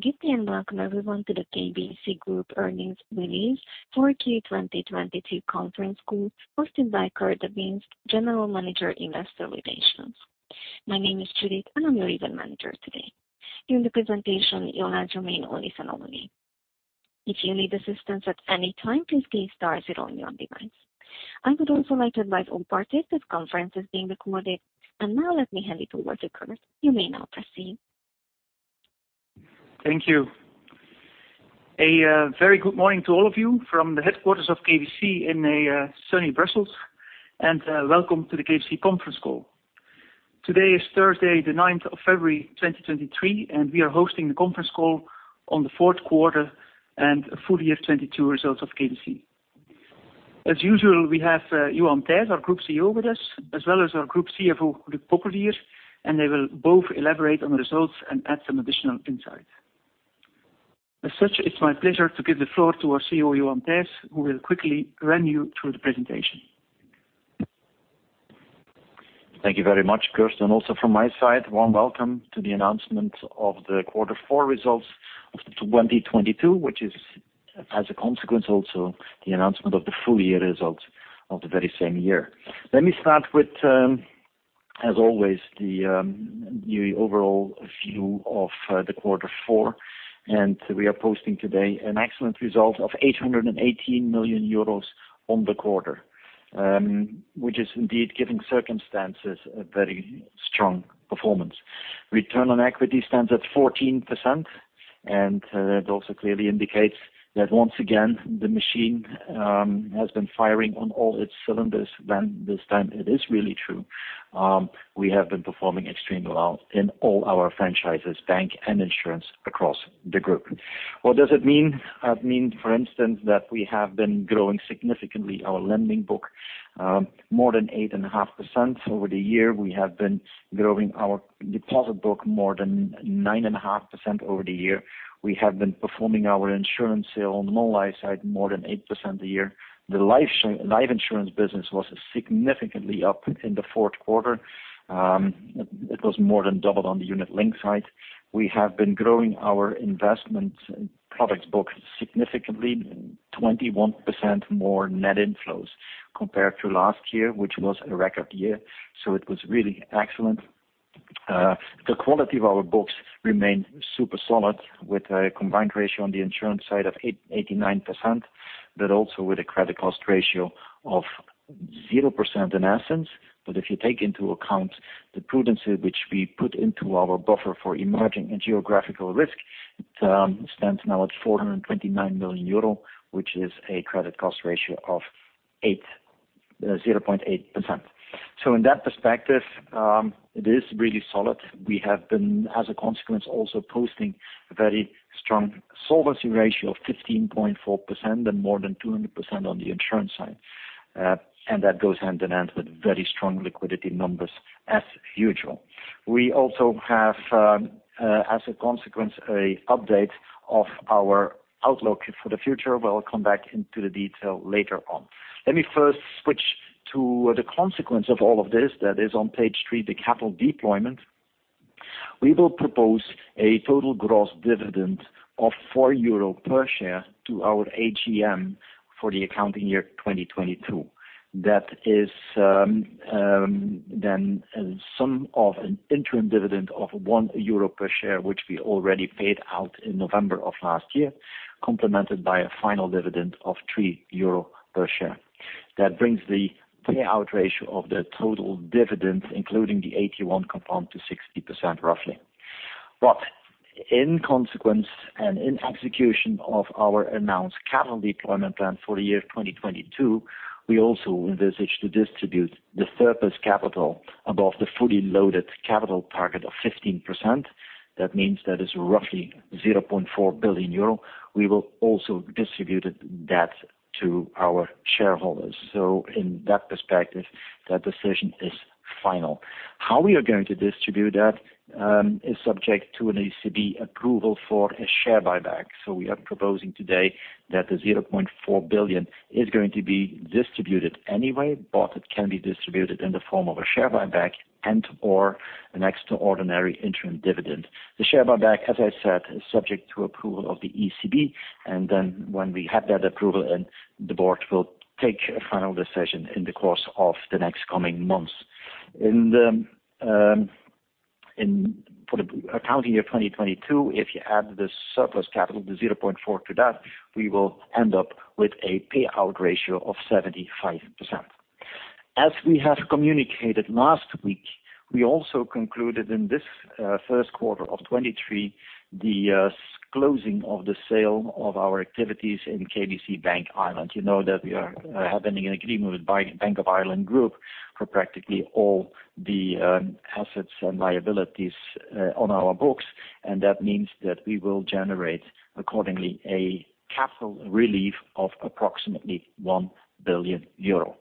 Good day and welcome everyone to the KBC Group Earnings Release for Q2022 Conference Call hosted by Kurt De Baenst, General Manager, Investor Relations. My name is Judith, and I'm your event manager today. During the presentation, you'll have to remain on listen only. If you need assistance at any time, please key star zero on your device. I would also like to advise all parties, this conference is being recorded. Now let me hand it over to Kurt. You may now proceed. Thank you. A very good morning to all of you from the headquarters of KBC in a sunny Brussels. Welcome to the KBC conference call. Today is Thursday, the 9th of February, 2023. We are hosting the conference call on the fourth quarter and full year 2022 results of KBC. As usual, we have Johan Thijs, our Group CEO with us, as well as our Group CFO, Luc Popelier. They will both elaborate on the results and add some additional insight. As such, it's my pleasure to give the floor to our CEO, Johan Thijs, who will quickly run you through the presentation. Thank you very much, Kurt. Also from my side, warm welcome to the announcement of the quarter four results of 2022, which is as a consequence also the announcement of the full year results of the very same year. Let me start with, as always, the overall view of the quarter four. We are posting today an excellent result of 818 million euros on the quarter, which is indeed giving circumstances a very strong performance. Return on equity stands at 14%. It also clearly indicates that once again, the machine has been firing on all its cylinders. This time it is really true. We have been performing extremely well in all our franchises, bank and insurance across the Group. What does it mean? That means, for instance, that we have been growing significantly our lending book, more than 8.5% over the year. We have been growing our deposit book more than 9.5% over the year. We have been performing our insurance sale on the mobile side more than 8% a year. The life insurance business was significantly up in the fourth quarter. It was more than doubled on the unit link side. We have been growing our investment products book significantly, 21% more net inflows compared to last year, which was a record year. It was really excellent. The quality of our books remained super solid with a combined ratio on the insurance side of 89%, also with a credit cost ratio of 0% in essence. If you take into account the prudence which we put into our buffer for emerging and geographical risk, it stands now at 429 million euro, which is a credit cost ratio of 0.8%. In that perspective, it is really solid. We have been, as a consequence, also posting a very strong solvency ratio of 15.4% and more than 200% on the insurance side. That goes hand in hand with very strong liquidity numbers as usual. We also have, as a consequence, a update of our outlook for the future. We'll come back into the detail later on. Let me first switch to the consequence of all of this that is on page three, the capital deployment. We will propose a total gross dividend of 4 euro per share to our AGM for the accounting year 2022. That is then a sum of an interim dividend of 1 euro per share, which we already paid out in November of last year, complemented by a final dividend of 3 euro per share. That brings the payout ratio of the total dividends, including the 81 compound to 60%, roughly. In consequence and in execution of our announced capital deployment plan for the year 2022, we also envisage to distribute the surplus capital above the fully loaded capital target of 15%. That means that is roughly 0.4 billion euro. We will also distribute that to our shareholders. In that perspective, that decision is final. How we are going to distribute that is subject to an ECB approval for a share buyback. We are proposing today that the 0.4 billion is going to be distributed anyway, but it can be distributed in the form of a share buyback and/or an extraordinary interim dividend. The share buyback, as I said, is subject to approval of the ECB. When we have that approval, the board will take a final decision in the course of the next coming months. For the accounting year 2022, if you add the surplus capital, the 0.4 to that, we will end up with a payout ratio of 75%. As we have communicated last week, we also concluded in this first quarter of 2023, the closing of the sale of our activities in KBC Bank Ireland. You know that we are having an agreement with Bank of Ireland Group for practically all the assets and liabilities on our books. That means that we will generate accordingly a capital relief of approximately 1 billion euro.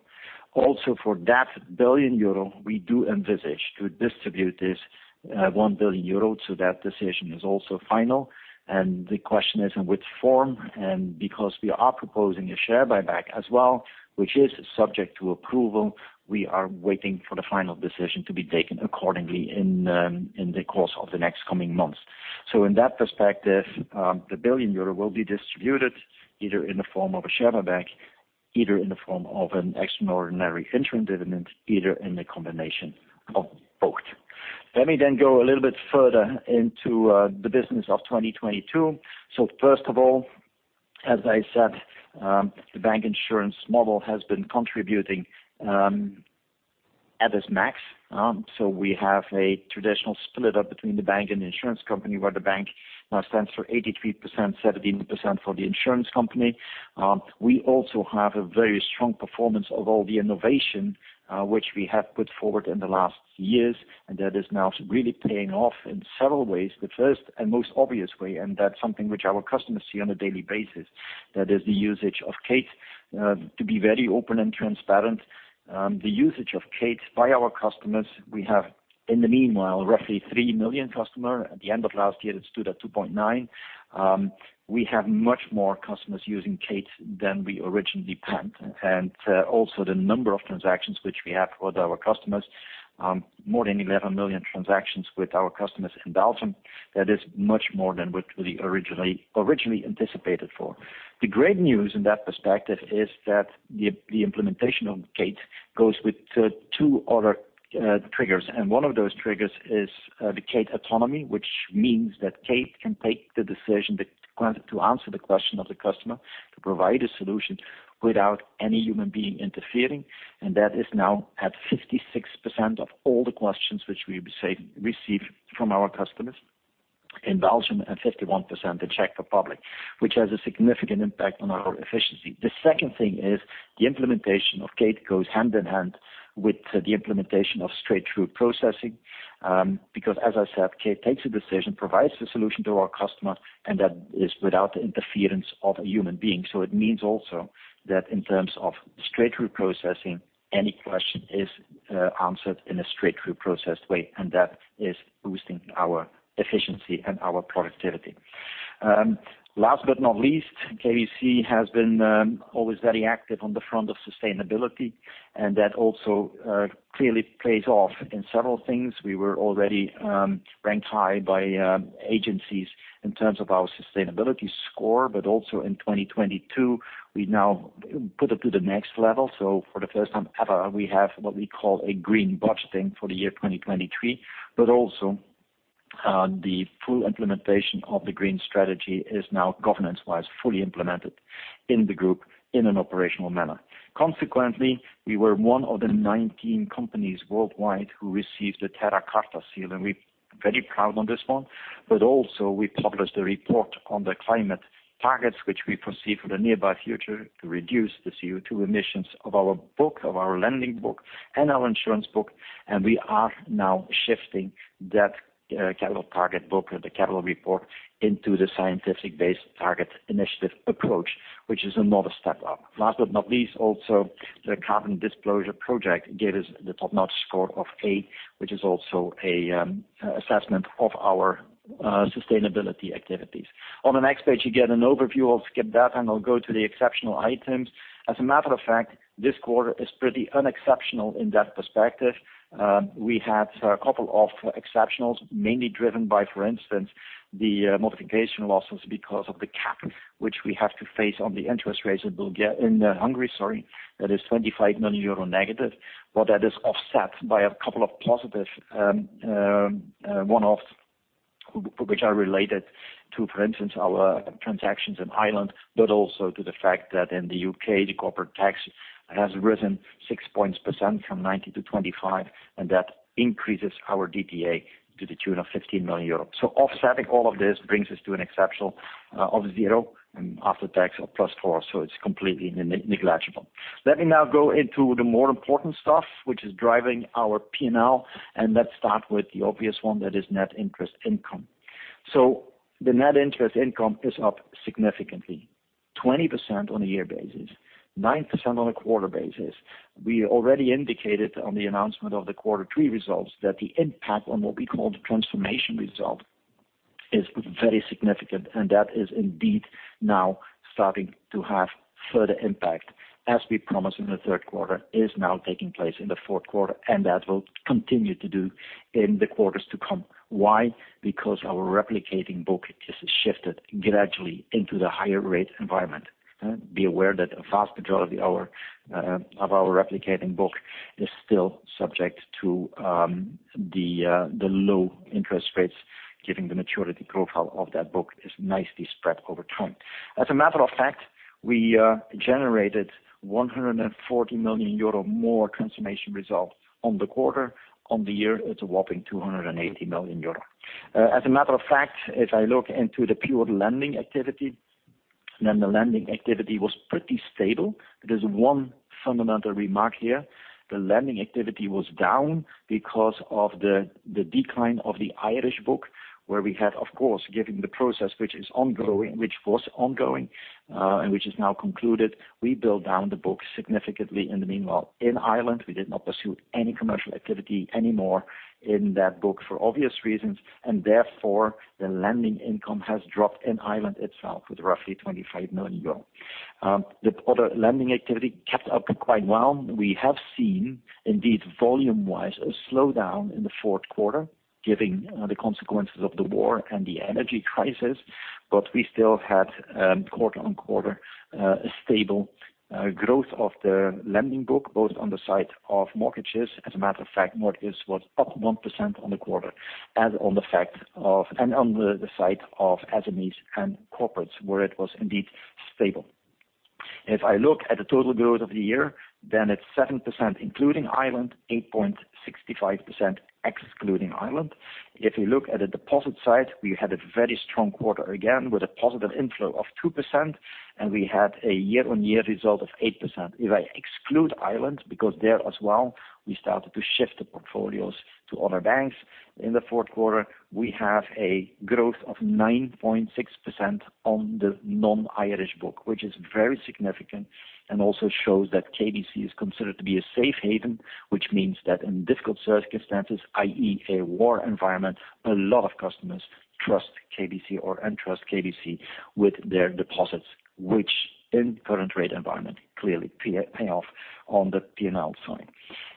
For that 1 billion euro, we do envisage to distribute this 1 billion euro. That decision is also final. The question is in which form. Because we are proposing a share buyback as well, which is subject to approval, we are waiting for the final decision to be taken accordingly in the course of the next coming months. In that perspective, the 1 billion euro will be distributed either in the form of a share buyback, either in the form of an extraordinary interim dividend, either in the combination of both. Let me go a little bit further into the business of 2022. First of all, as I said, the bank insurance model has been contributing at its max. We have a traditional split up between the bank and the insurance company, where the bank now stands for 83%, 17% for the insurance company. We also have a very strong performance of all the innovation which we have put forward in the last years, and that is now really paying off in several ways. The first and most obvious way, and that's something which our customers see on a daily basis. That is the usage of Kate, to be very open and transparent, the usage of Kate by our customers. We have, in the meanwhile roughly 3 million customer. At the end of last year, it stood at 2.9. We have much more customers using Kate than we originally planned. Also the number of transactions which we have with our customers, more than 11 million transactions with our customers in Belgium. That is much more than what we originally anticipated for. The great news in that perspective is that the implementation of Kate goes with two other triggers, and one of those triggers is the Kate autonomy, which means that Kate can take the decision To answer the question of the customer, to provide a solution without any human being interfering. That is now at 56% of all the questions which we receive from our customers in Belgium and 51% the Czech Republic, which has a significant impact on our efficiency. The second thing is the implementation of Kate goes hand-in-hand with the implementation of straight-through processing. Because as I said, Kate takes a decision, provides a solution to our customer, and that is without the interference of a human being. It means also that in terms of straight-through processing, any question is answered in a straight-through processed way, and that is boosting our efficiency and our productivity. Last but not least, KBC has been always very active on the front of sustainability, and that also clearly pays off in several things. We were already ranked high by agencies in terms of our sustainability score, but also in 2022, we now put it to the next level. For the first time ever, we have what we call a green budgeting for the year 2023. The full implementation of the green strategy is now governance-wise, fully implemented in the Group in an operational manner. Consequently, we were one of the 19 companies worldwide who received the Terra Carta Seal, and we're very proud on this one. We published a report on the climate targets, which we foresee for the nearby future to reduce the CO2 emissions of our book, of our lending book and our insurance book. We are now shifting that capital target book or the capital report into the Science Based Targets initiative approach, which is another step up. Last but not least, also, the Carbon Disclosure Project gave us the top-notch score of A, which is also a assessment of our sustainability activities. On the next page, you get an overview. I'll skip that. I'll go to the exceptional items. As a matter of fact, this quarter is pretty unexceptional in that perspective. We had a couple of exceptionals, mainly driven by, for instance, the modification losses because of the cap which we have to face on the interest rates in Hungary, sorry, that is 25 million euro negative. That is offset by a couple of positive one-off which are related to, for instance, our transactions in Ireland, also to the fact that in the UK, the corporate tax has risen 6 points percent from 19% to 25%, that increases our DTA to the tune of 15 million euros. Offsetting all of this brings us to an exceptional of zero and after tax of +4. It's completely negligible. Let me now go into the more important stuff, which is driving our P&L, and let's start with the obvious one, that is net interest income. The net interest income is up significantly, 20% on a year basis, 9% on a quarter basis. We already indicated on the announcement of the quarter three results that the impact on what we call the transformation result is very significant, and that is indeed now starting to have further impact. As we promised in the third quarter, is now taking place in the fourth quarter, and that will continue to do in the quarters to come. Why? Because our replicating book is shifted gradually into the higher rate environment. Be aware that a vast majority of our replicating book is still subject to the low interest rates, given the maturity profile of that book, is nicely spread over time. As a matter of fact, we generated 140 million euro more transformation results on the quarter. On the year, it's a whopping 280 million euro. As a matter of fact, if I look into the pure lending activity, the lending activity was pretty stable. There's one fundamental remark here. The lending activity was down because of the decline of the Irish book, where we had, of course, given the process which is ongoing, which was ongoing, and which is now concluded, we build down the book significantly in the meanwhile. In Ireland, we did not pursue any commercial activity anymore in that book for obvious reasons, and therefore the lending income has dropped in Ireland itself with roughly 25 million euro. The other lending activity kept up quite well. We have seen indeed volume-wise, a slowdown in the fourth quarter, giving the consequences of the war and the energy crisis. We still had quarter-on-quarter stable growth of the lending book, both on the side of mortgages. As a matter of fact, mortgages was up 1% on the quarter and on the side of SMEs and corporates, where it was indeed stable. If I look at the total growth of the year, it's 7% including Ireland, 8.65% excluding Ireland. If you look at the deposit side, we had a very strong quarter, again, with a positive inflow of 2%, and we had a year-on-year result of 8%. If I exclude Ireland, because there as well, we started to shift the portfolios to other banks. In the fourth quarter, we have a growth of 9.6% on the non-Irish book, which is very significant and also shows that KBC is considered to be a safe haven, which means that in difficult circumstances, i.e., a war environment, a lot of customers trust KBC or entrust KBC with their deposits, which in current rate environment, clearly pay off on the P&L side.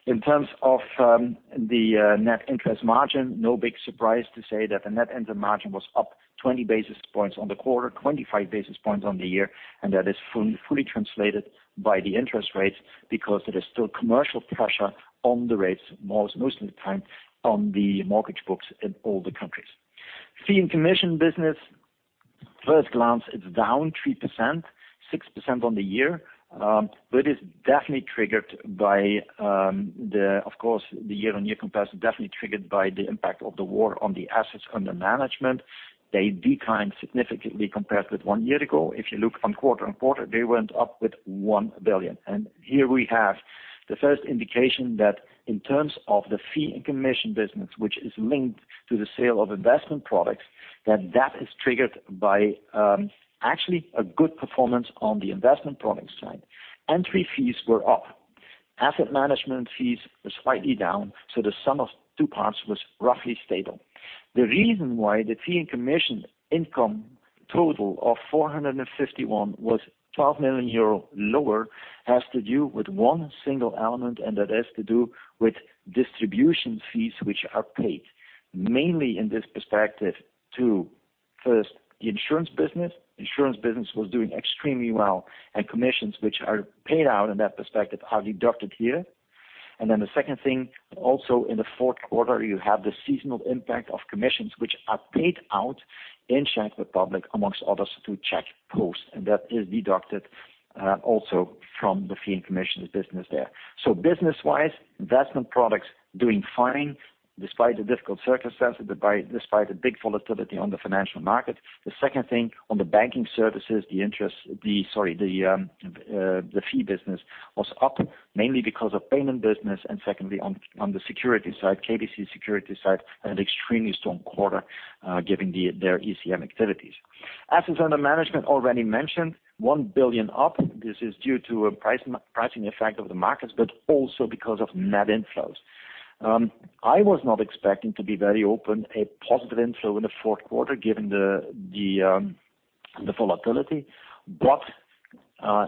In terms of the net interest margin, no big surprise to say that the net interest margin was up 20 basis points on the quarter, 25 basis points on the year, and that is fully translated by the interest rates because there is still commercial pressure on the rates most of the time on the mortgage books in all the countries. Fee and commission business. First glance, it's down 3%, 6% on the year. It's definitely triggered by the year-on-year comparison triggered by the impact of the war on the assets under management. They declined significantly compared with one year ago. If you look on quarter-on-quarter, they went up with 1 billion. Here we have the first indication that in terms of the fee and commission business, which is linked to the sale of investment products, that that is triggered by actually a good performance on the investment product side. Entry fees were up. Asset management fees was slightly down, so the sum of two parts was roughly stable. The reason why the fee and commission income total of 451 was 12 million lower has to do with one single element, and that has to do with distribution fees which are paid mainly in this perspective to, first, the insurance business. Insurance business was doing extremely well, and commissions which are paid out in that perspective are deducted here. The second thing, also in the fourth quarter, you have the seasonal impact of commissions which are paid out in Czech Republic, amongst others, to Czech Post, and that is deducted also from the fee and commissions business there. Business-wise, investment products doing fine despite the difficult circumstances, despite the big volatility on the financial market. The second thing, on the banking services, the interest, Sorry, the fee business was up mainly because of payment business and secondly, on the security side, KBC security side had an extremely strong quarter, given their ECM activities. Assets under management already mentioned, 1 billion up. This is due to a price, pricing effect of the markets, but also because of net inflows. I was not expecting to be very open a positive inflow in the fourth quarter given the volatility.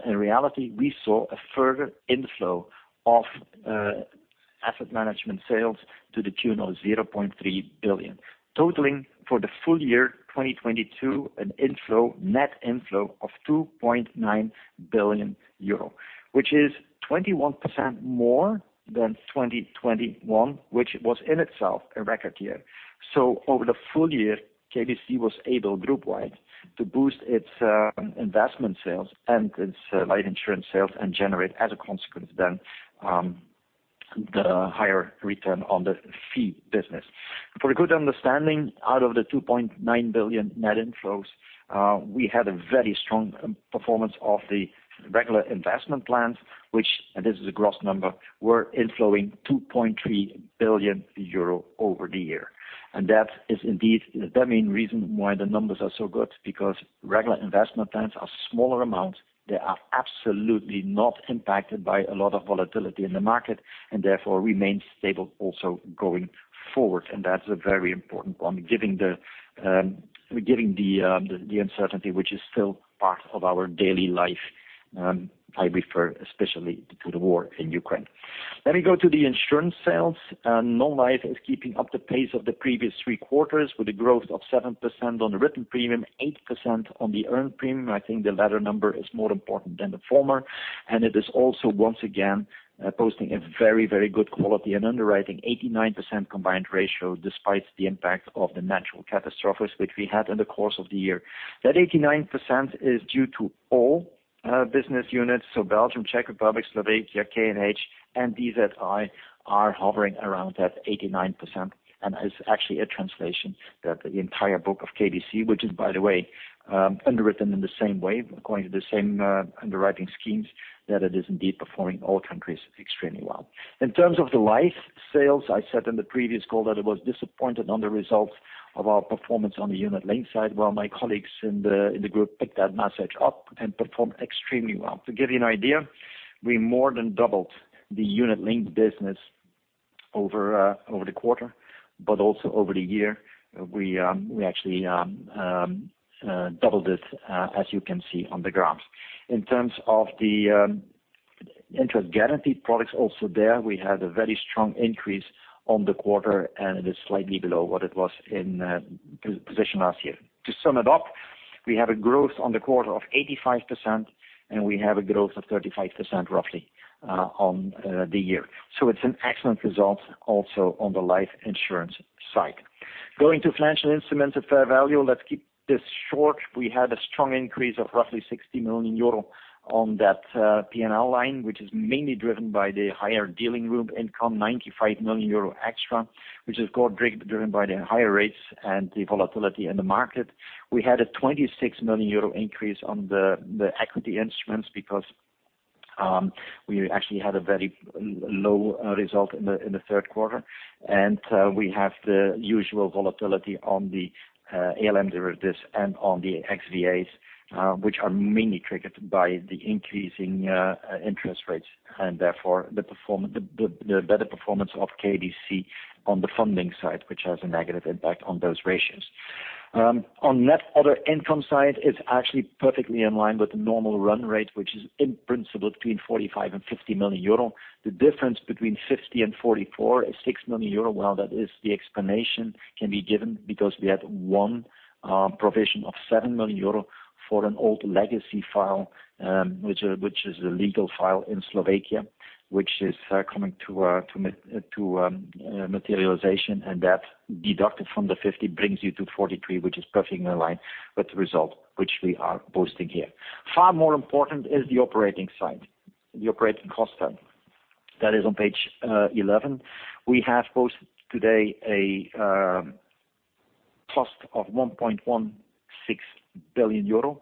In reality, we saw a further inflow of asset management sales to the tune of 0.3 billion, totaling for the full year 2022 an inflow, net inflow of 2.9 billion euro, which is 21% more than 2021, which was in itself a record year. Over the full year, KBC was able, group wide, to boost its investment sales and its life insurance sales and generate as a consequence then the higher return on the fee business. For a good understanding, out of the 2.9 billion net inflows, we had a very strong performance of the regular investment plans, which, and this is a gross number, were inflowing 2.3 billion euro over the year. That is indeed the main reason why the numbers are so good, because regular investment plans are smaller amounts. They are absolutely not impacted by a lot of volatility in the market and therefore remain stable also going forward. That's a very important one given the given the uncertainty which is still part of our daily life, I refer especially to the war in Ukraine. Let me go to the insurance sales. Non-Life is keeping up the pace of the previous three quarters with a growth of 7% on the written premium, 8% on the earned premium. I think the latter number is more important than the former. It is also, once again, posting a very, very good quality on underwriting, 89% combined ratio despite the impact of the natural catastrophes which we had in the course of the year. 89% is due to all business units, so Belgium, Czech Republic, Slovakia, K&H, and DZI are hovering around that 89% and is actually a translation that the entire book of KBC, which is, by the way, underwritten in the same way according to the same underwriting schemes, that it is indeed performing all countries extremely well. In terms of the life sales, I said in the previous call that I was disappointed on the results of our performance on the unit linked side, well my colleagues in the group picked that message up and performed extremely well. To give you an idea, we more than doubled the unit linked business over the quarter, but also over the year, we actually doubled it, as you can see on the graphs. In terms of the Interest guaranteed products also there, we had a very strong increase on the quarter, and it is slightly below what it was in position last year. To sum it up, we have a growth on the quarter of 85%, and we have a growth of 35% roughly on the year. It's an excellent result also on the life insurance side. Going to financial instruments at fair value, let's keep this short. We had a strong increase of roughly 60 million euro on that P&L line, which is mainly driven by the higher dealing room income, 95 million euro extra, which is driven by the higher rates and the volatility in the market. We had a 26 million euro increase on the equity instruments because we actually had a very low result in the third quarter. We have the usual volatility on the ALM derivatives and on the XDAs, which are mainly triggered by the increasing interest rates, and therefore, the better performance of KBC on the funding side, which has a negative impact on those ratios. On net other income side, it's actually perfectly in line with the normal run rate, which is in principle between 45 million and 50 million. The difference between 50 and 44 is 6 million euro. That is the explanation can be given because we had one provision of 7 million euro for an old legacy file, which is a legal file in Slovakia, which is coming to materialization, and that deducted from the 50 brings you to 43, which is perfectly in line with the result which we are posting here. Far more important is the operating side, the operating cost side. That is on page 11. We have posted today a cost of 1.16 billion euro.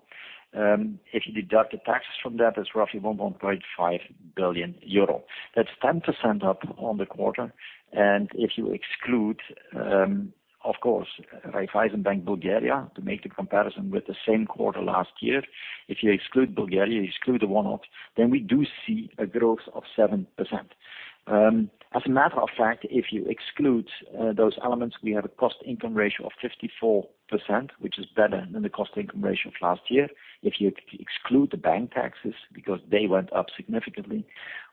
If you deduct the taxes from that, it's roughly 1.5 billion euro. That's 10% up on the quarter. If you exclude, of course, Raiffeisenbank (Bulgaria) to make the comparison with the same quarter last year, if you exclude Bulgaria, you exclude the one-off, then we do see a growth of 7%. As a matter of fact, if you exclude those elements, we have a cost income ratio of 54%, which is better than the cost income ratio of last year. If you exclude the bank taxes because they went up significantly,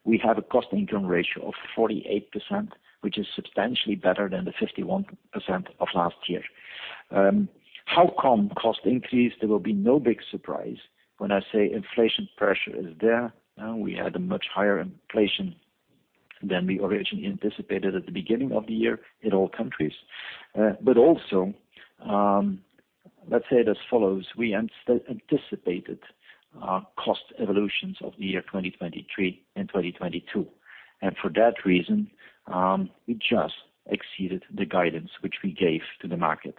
we have a cost income ratio of 48%, which is substantially better than the 51% of last year. How come cost increase? There will be no big surprise when I say inflation pressure is there. We had a much higher inflation than we originally anticipated at the beginning of the year in all countries. Also, let's say it as follows: we anticipated cost evolutions of the year 2023 and 2022. For that reason, we just exceeded the guidance which we gave to the market.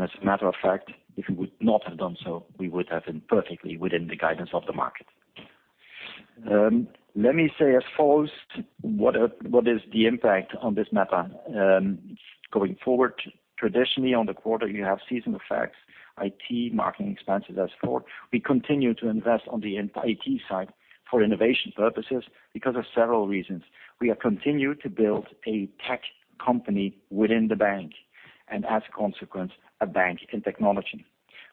As a matter of fact, if we would not have done so, we would have been perfectly within the guidance of the market. Let me say as follows, what is the impact on this matter going forward? Traditionally, on the quarter, you have season effects, IT, marketing expenses as before. We continue to invest on the IT side for innovation purposes because of several reasons. We are continued to build a tech company within the bank, and as a consequence, a bank in technology.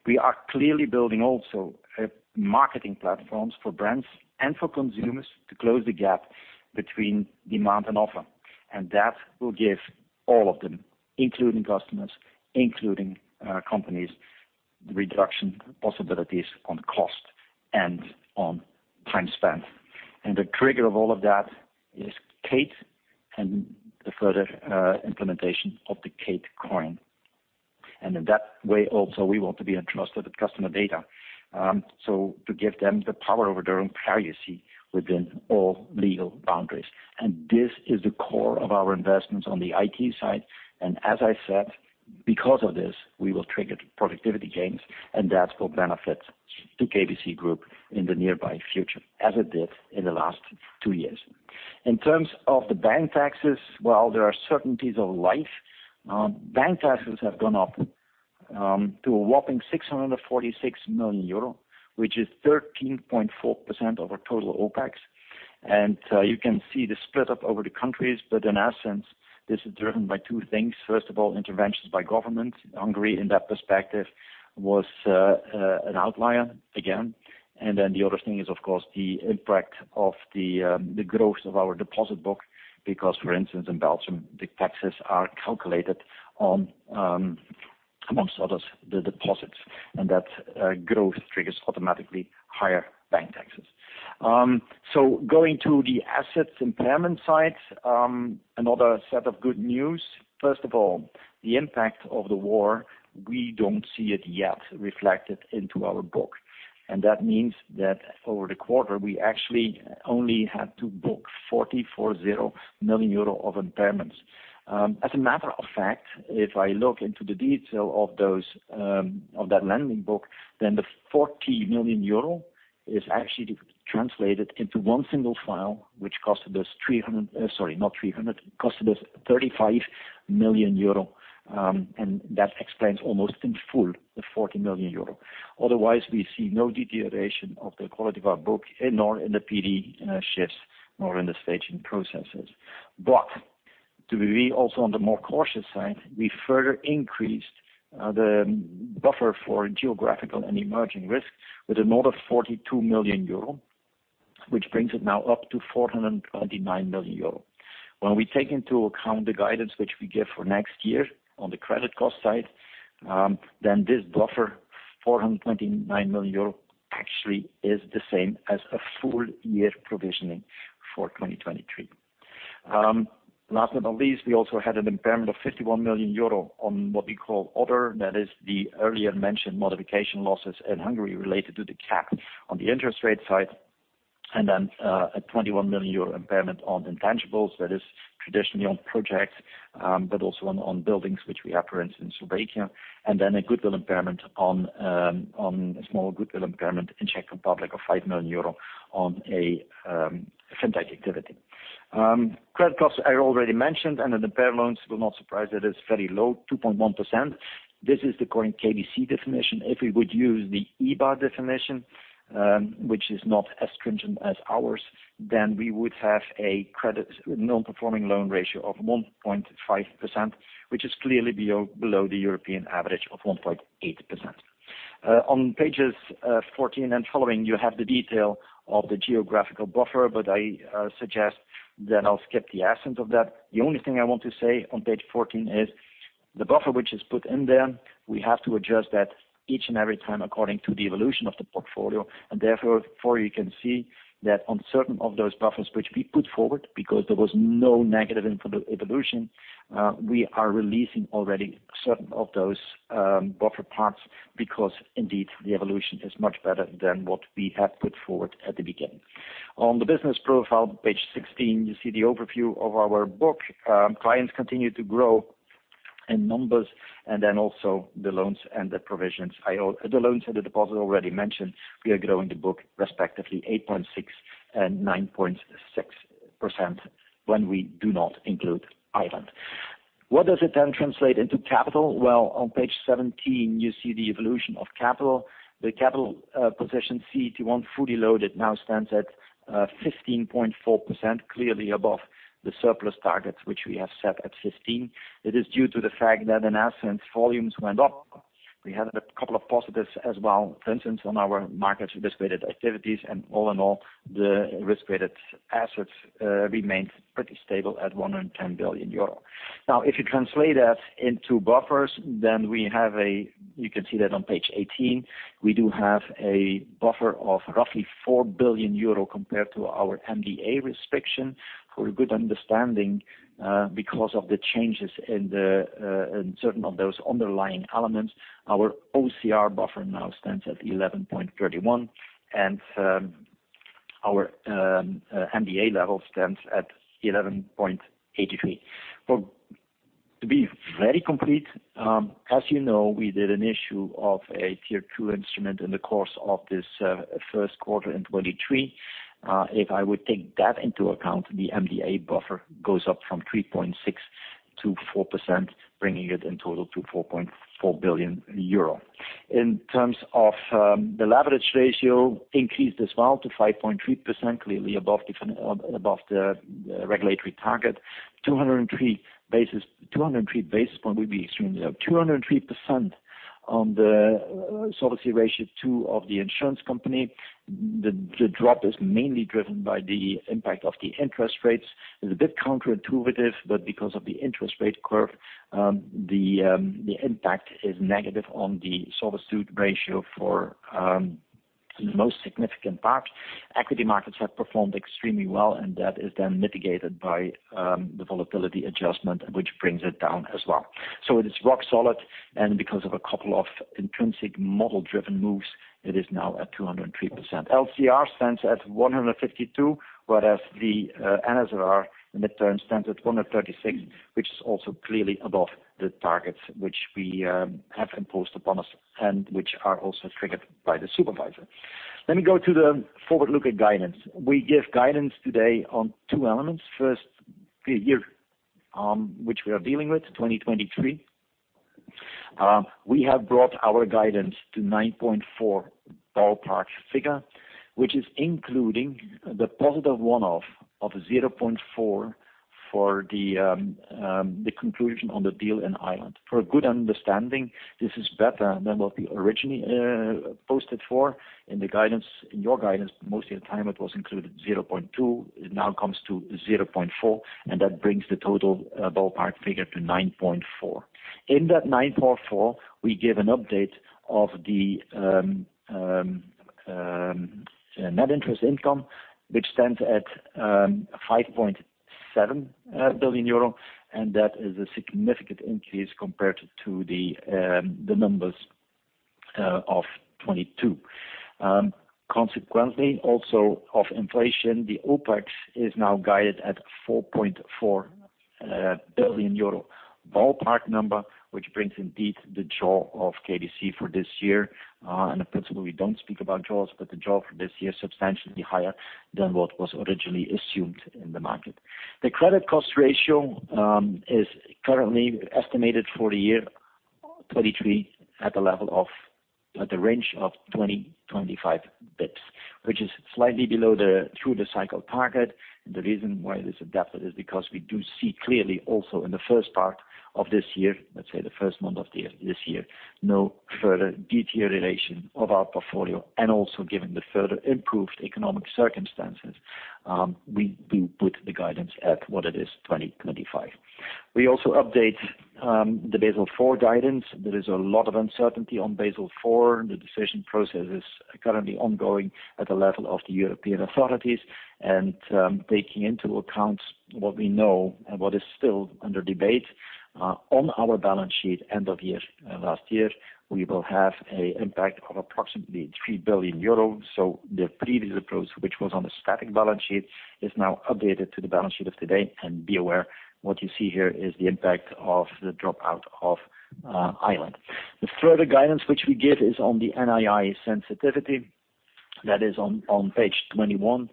We are clearly building also marketing platforms for brands and for consumers to close the gap between demand and offer. That will give all of them, including customers, including companies, the reduction possibilities on cost and on time spent. The trigger of all of that is Kate and the further implementation of the Kate Coin. In that way, also, we want to be entrusted with customer data, so to give them the power over their own privacy within all legal boundaries. This is the core of our investments on the IT side. As I said, because of this, we will trigger productivity gains, and that will benefit the KBC Group in the nearby future, as it did in the last two years. In terms of the bank taxes, well, there are certainties of life. Bank taxes have gone up to a whopping 646 million euro, which is 13.4% of our total OpEx. You can see the split up over the countries, but in essence, this is driven by two things. First of all, interventions by government. Hungary, in that perspective, was an outlier again. The other thing is, of course, the impact of the growth of our deposit book, because, for instance, in Belgium, the taxes are calculated on amongst others, the deposits, and that growth triggers automatically higher bank taxes. Going to the assets impairment side, another set of good news. First of all, the impact of the war, we don't see it yet reflected into our book. That means that over the quarter, we actually only had to book 440 million euro of impairments. As a matter of fact, if I look into the detail of those, of that lending book, then the 40 million euro is actually translated into one single file, which costed us 35 million euro, and that explains almost in full the 40 million euro. Otherwise, we see no deterioration of the quality of our book and nor in the PD shifts, nor in the staging processes. To be also on the more cautious side, we further increased the buffer for geographical and emerging risk with another 42 million euro, which brings it now up to 429 million euro. When we take into account the guidance which we give for next year on the credit cost side, then this buffer, 429 million euro, actually is the same as a full year provisioning for 2023. Last but not least, we also had an impairment of 51 million euro on what we call other, that is the earlier mentioned modification losses in Hungary related to the cap on the interest rate side, and then a 21 million euro impairment on intangibles that is traditionally on projects, but also on buildings which we have, for instance, in Slovakia. A goodwill impairment on a small goodwill impairment in Czech Republic of 5 million euro on a FinTech activity. Credit costs I already mentioned, the pair loans will not surprise. It is very low, 2.1%. This is according to KBC definition. If we would use the EBA definition, which is not as stringent as ours, then we would have a credit non-performing loan ratio of 1.5%, which is clearly below the European average of 1.8%. On pages 14 and following, you have the detail of the geographical buffer, I suggest that I'll skip the essence of that. The only thing I want to say on page 14 is the buffer which is put in there, we have to adjust that each and every time according to the evolution of the portfolio. You can see that on certain of those buffers which we put forward because there was no negative evolution, we are releasing already certain of those buffer parts because indeed, the evolution is much better than what we have put forward at the beginning. On the business profile, page 16, you see the overview of our book. Clients continue to grow in numbers, also the loans and the provisions. The loans and the deposit already mentioned, we are growing the book respectively 8.6 and 9.6% when we do not include Ireland. What does it translate into capital? Well, on page 17 you see the evolution of capital. The capital position CET1 fully loaded now stands at 15.4%, clearly above the surplus targets which we have set at 15. It is due to the fact that in essence volumes went up. We had a couple of positives as well, for instance, on our markets risk-weighted activities and all in all, the risk-weighted assets remained pretty stable at 110 billion euro. If you translate that into buffers, then You can see that on page 18. We do have a buffer of roughly 4 billion euro compared to our MDA restriction. A good understanding, because of the changes in the in certain of those underlying elements, our OCR buffer now stands at 11.31 and our MDA level stands at 11.83. To be very complete, as you know, we did an issue of a Tier 2 instrument in the course of this 1st quarter in 2023. If I would take that into account, the MDA buffer goes up from 3.6 to 4%, bringing it in total to 4.4 billion euro. In terms of, the leverage ratio increased as well to 5.3%, clearly above different, above the regulatory target. 203 basis points will be extremely low. 203% on the solvency ratio, two of the insurance company, the drop is mainly driven by the impact of the interest rates. It's a bit counterintuitive, but because of the interest rate curve, the impact is negative on the solvency ratio for the most significant parts. Equity markets have performed extremely well, and that is then mitigated by the volatility adjustment which brings it down as well. It is rock solid, because of a couple of intrinsic model-driven moves, it is now at 203%. LCR stands at 152%, whereas the NSFR mid-term stands at 136%, which is also clearly above the targets which we have imposed upon us and which are also triggered by the supervisor. Let me go to the forward-looking guidance. We give guidance today on two elements. First, the year which we are dealing with, 2023. We have brought our guidance to 9.4% ballpark figure, which is including the positive one-off of 0.4% for the conclusion on the deal in Ireland. For a good understanding, this is better than what we originally posted for in the guidance. In your guidance, most of the time it was included 0.2. It now comes to 0.4. That brings the total ballpark figure to 9.4%. In that 9.4%, we give an update of the net interest income which stands at 5.7 billion euro. That is a significant increase compared to the numbers of 2022. Consequently, also of inflation, the OpEx is now guided at 4.4 billion euro ballpark number, which brings indeed the jaw of KBC for this year. In principle, we don't speak about jaws. The jaw for this year is substantially higher than what was originally assumed in the market. The credit cost ratio, is currently estimated for the year 2023 at the range of 20-25 basis points, which is slightly below the through the cycle target. The reason why it is adapted is because we do see clearly also in the first part of this year, the first month of the, this year, no further deterioration of our portfolio. Given the further improved economic circumstances, we put the guidance at what it is, 2025. We also update the Basel IV guidance. There is a lot of uncertainty on Basel IV. The decision process is currently ongoing at the level of the European authorities. Taking into account what we know and what is still under debate, on our balance sheet end of year, last year, we will have a impact of approximately 3 billion euros. The previous approach, which was on the static balance sheet, is now updated to the balance sheet of today. Be aware, what you see here is the impact of the dropout of Ireland. The further guidance which we give is on the NII sensitivity that is on page 21.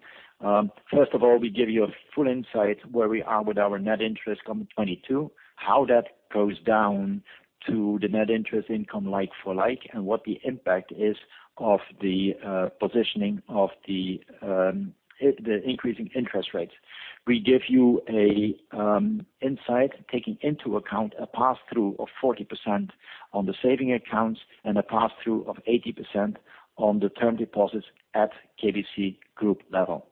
First of all, we give you a full insight where we are with our net interest come 2022, how that goes down to the net interest income, like for like, and what the impact is of the positioning of the increasing interest rates. We give you a insight taking into account a pass-through of 40% on the saving accounts and a pass-through of 80% on the term deposits at KBC Group level.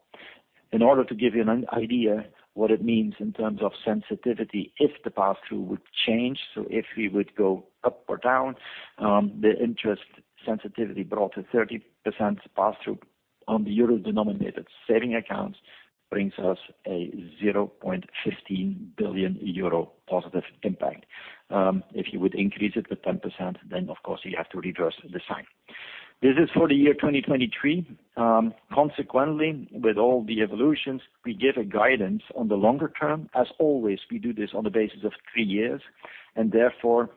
In order to give you an idea what it means in terms of sensitivity, if the pass-through would change, so if we would go up or down, the interest sensitivity brought to 30% pass-through on the euro-denominated saving accounts brings us a 0.15 billion euro positive impact. If you would increase it with 10%, then of course you have to reverse the sign. This is for the year 2023. Consequently, with all the evolutions, we give a guidance on the longer term. As always, we do this on the basis of three years, and therefore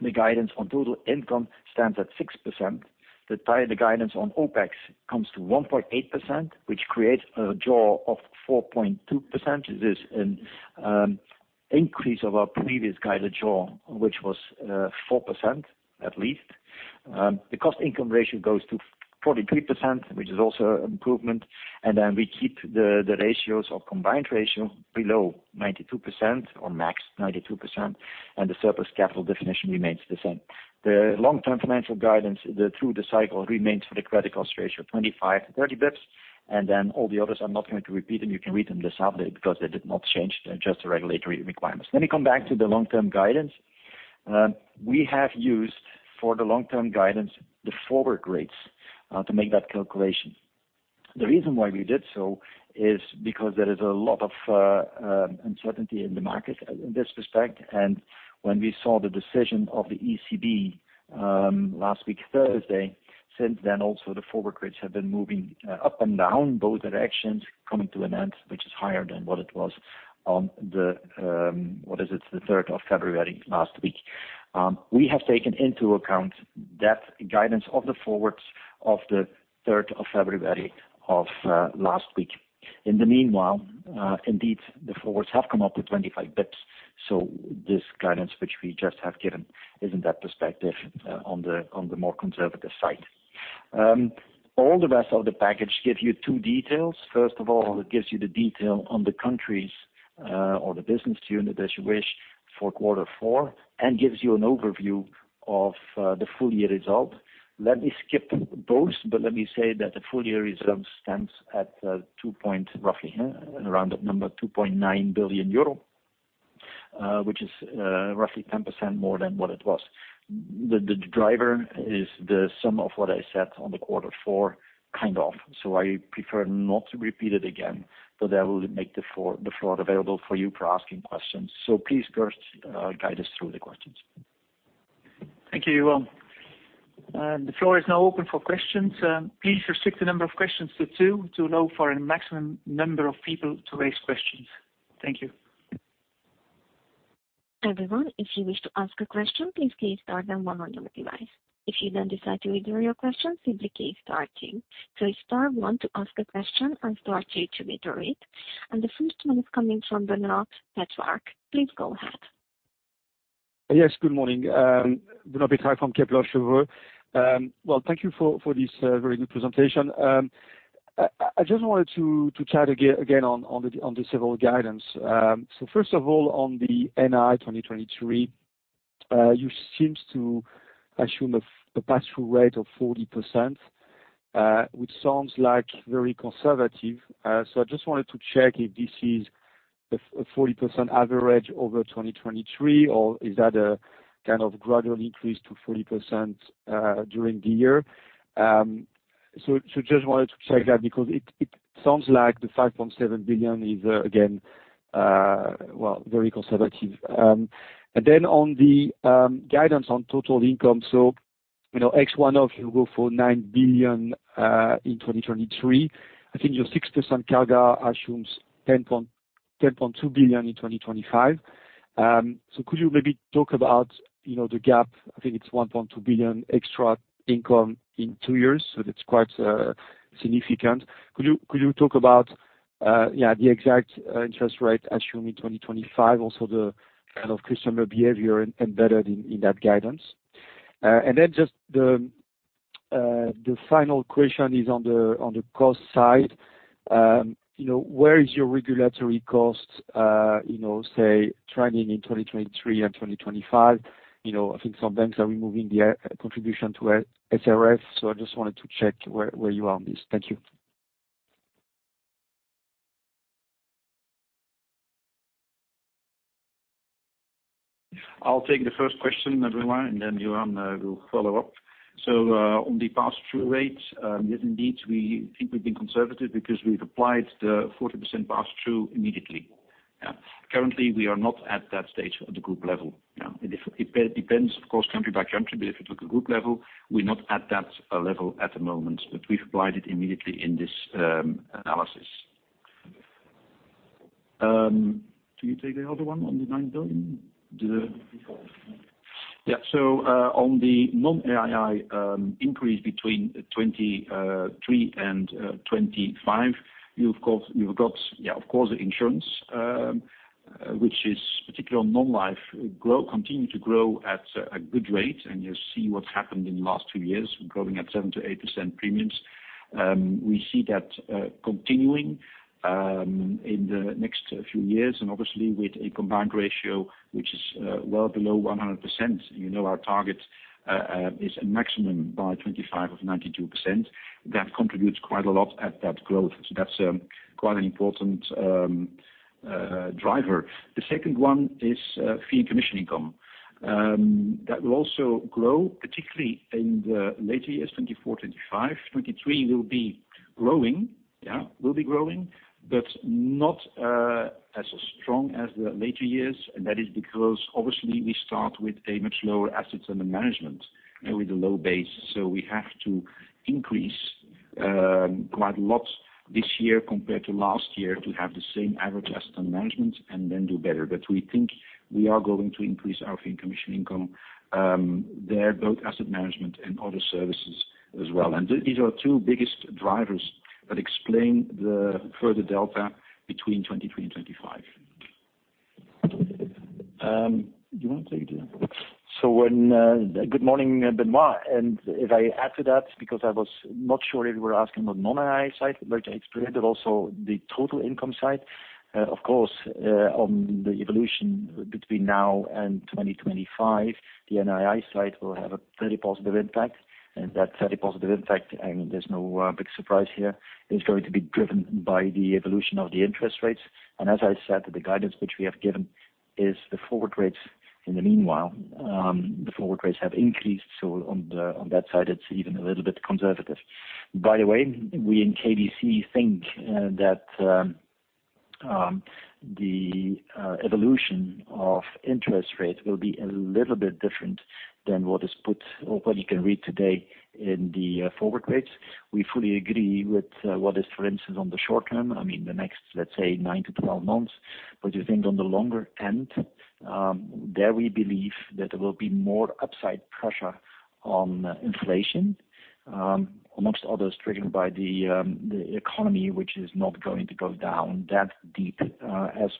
the guidance on total income stands at 6%. The tie, the guidance on OpEx comes to 1.8%, which creates a jaw of 4.2%. This an increase of our previous guided jaw, which was 4%, at least. The cost income ratio goes to 43%, which is also improvement. We keep the ratios of combined ratio below 92% or max 92%, and the surplus capital definition remains the same. The long-term financial guidance, the through the cycle remains for the credit cost ratio, 25 to 30 basis points. All the others, I'm not going to repeat them. You can read them this update because they did not change, they're just the regulatory requirements. Let me come back to the long-term guidance. We have used for the long-term guidance the forward rates to make that calculation. The reason why we did so is because there is a lot of uncertainty in the market in this respect. When we saw the decision of the ECB last week, Thursday, since then, also the forward rates have been moving up and down, both directions coming to an end, which is higher than what it was on the, what is it? The third of February last week. We have taken into account that guidance of the forwards of the third of February of last week. In the meanwhile, indeed, the forwards have come up with 25 basis points. This guidance, which we just have given, is in that perspective, on the more conservative side. All the rest of the package give you two details. First of all, it gives you the detail on the countries, or the business unit as you wish for quarter four, gives you an overview of the full year result. Let me skip both, but let me say that the full year result stands at roughly around that number, 2.9 billion euro, which is roughly 10% more than what it was. The driver is the sum of what I said on the quarter four, kind of. I prefer not to repeat it again. That will make the floor available for you for asking questions. Please, Kurt, guide us through the questions. Thank you, Johan. The floor is now open for questions. Please restrict the number of questions to two to allow for a maximum number of people to raise questions. Thank you. Everyone, if you wish to ask a question, please key star then one on your device. If you then decide to withdraw your question, simply key star two. Star one to ask a question and star two to withdraw it. The first one is coming from Benoît Pétrarque. Please go ahead. Yes, good morning. Benoît Pétrarque from Kepler Cheuvreux. Well, thank you for this very good presentation. I just wanted to chat again on the Civil Guidance. First of all, on the NII 2023, you seems to assume a 40% pass-through rate, which sounds like very conservative. I just wanted to check if this is a 40% average over 2023, or is that a kind of gradual increase to 40% during the year? Just wanted to check that because it sounds like the 5.7 billion is again well, very conservative. On the guidance on total income, you know, ex one-off, you go for 9 billion in 2023. I think your 6% cargo assumes 10.2 billion in 2025. Could you maybe talk about, you know, the gap? I think it's 1.2 billion extra income in two years, so that's quite significant. Could you talk about, yeah, the exact interest rate assuming 2025, also the kind of customer behavior embedded in that guidance. Then just the final question is on the cost side. You know, where is your regulatory cost, you know, say trending in 2023 and 2025? You know, I think some banks are removing their contribution to SRF. I just wanted to check where you are on this. Thank you. I'll take the first question, everyone. Johan will follow up. On the pass-through rate, yes, indeed, we think we've been conservative because we've applied the 40% pass-through immediately. Currently, we are not at that stage at the group level. It depends, of course, country by country, but if you took a group level, we're not at that level at the moment. We've applied it immediately in this analysis. Do you take the other one on the 9 billion? On the non-NII increase between 2023 and 2025, You've got, of course, insurance, which is particularly on non-life grow, continue to grow at a good rate, and you see what's happened in the last two years, growing at 7%-8% premiums. We see that continuing in the next few years, obviously with a combined ratio which is well below 100%. You know, our target is a maximum by 2025 of 92%. That contributes quite a lot at that growth. That's quite an important driver. The second one is fee and commission income. That will also grow, particularly in the later years, 2024, 2025. 2023 will be growing. Will be growing, not as strong as the later years. That is because obviously we start with a much lower assets under management and with a low base. We have to increase quite a lot this year compared to last year to have the same average assets under management and then do better. We think we are going to increase our fee and commission income there, both asset management and other services as well. These are two biggest drivers that explain the further delta between 2023 and 2025. You want to take it, Johan? Good morning, Benoit. If I add to that, because I was not sure if you were asking on non-NII side, but I explained that also the total income side, of course, on the evolution between now and 2025, the NII side will have a very positive impact. That very positive impact, I mean, there's no big surprise here, is going to be driven by the evolution of the interest rates. As I said, the guidance which we have given is the forward rates in the meanwhile. The forward rates have increased, so on the, on that side, it's even a little bit conservative. By the way, we in KBC think that the evolution of interest rates will be a little bit different than what is put or what you can read today in the forward rates. We fully agree with what is, for instance, on the short term, I mean, the next, let's say, 9 to 12 months. We think on the longer end, there we believe that there will be more upside pressure on inflation, amongst others, triggered by the economy, which is not going to go down that deep as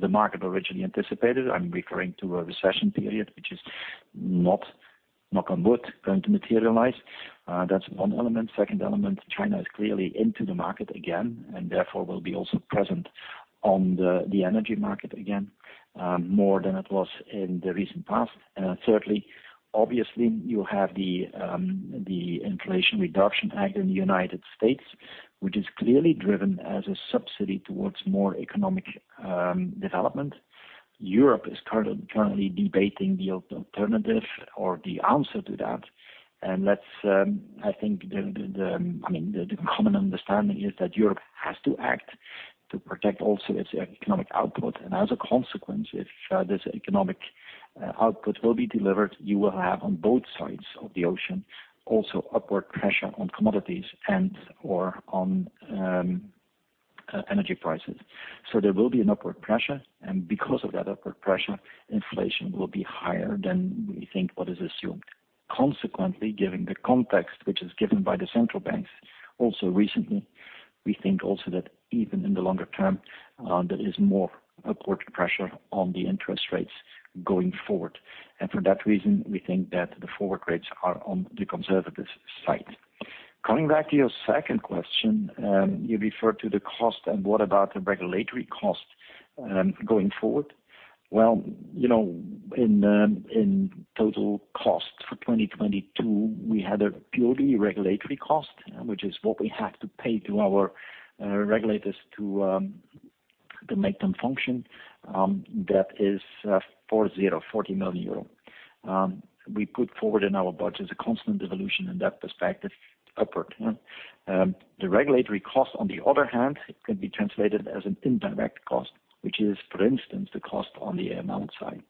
the market originally anticipated. I'm referring to a recession period, which is not, knock on wood, going to materialize. That's one element. Second element, China is clearly into the market again, will be also present on the energy market again, more than it was in the recent past. Thirdly, obviously you have the Inflation Reduction Act in the United States, which is clearly driven as a subsidy towards more economic development. Europe is currently debating the alternative or the answer to that. Let's, I think, I mean, the common understanding is that Europe has to act to protect also its economic output. As a consequence, if this economic output will be delivered, you will have on both sides of the ocean also upward pressure on commodities and/or on energy prices. There will be an upward pressure, and because of that upward pressure, inflation will be higher than we think what is assumed. Consequently, given the context which is given by the central banks also recently, we think also that even in the longer term, there is more upward pressure on the interest rates going forward. For that reason, we think that the forward rates are on the conservative side. Coming back to your second question, you referred to the cost and what about the regulatory cost going forward. You know, in total cost for 2022, we had a purely regulatory cost, which is what we have to pay to our regulators to make them function. That is 40 million euro. We put forward in our budget a constant evolution in that perspective upward. The regulatory cost on the other hand can be translated as an indirect cost, which is, for instance, the cost on the amount side.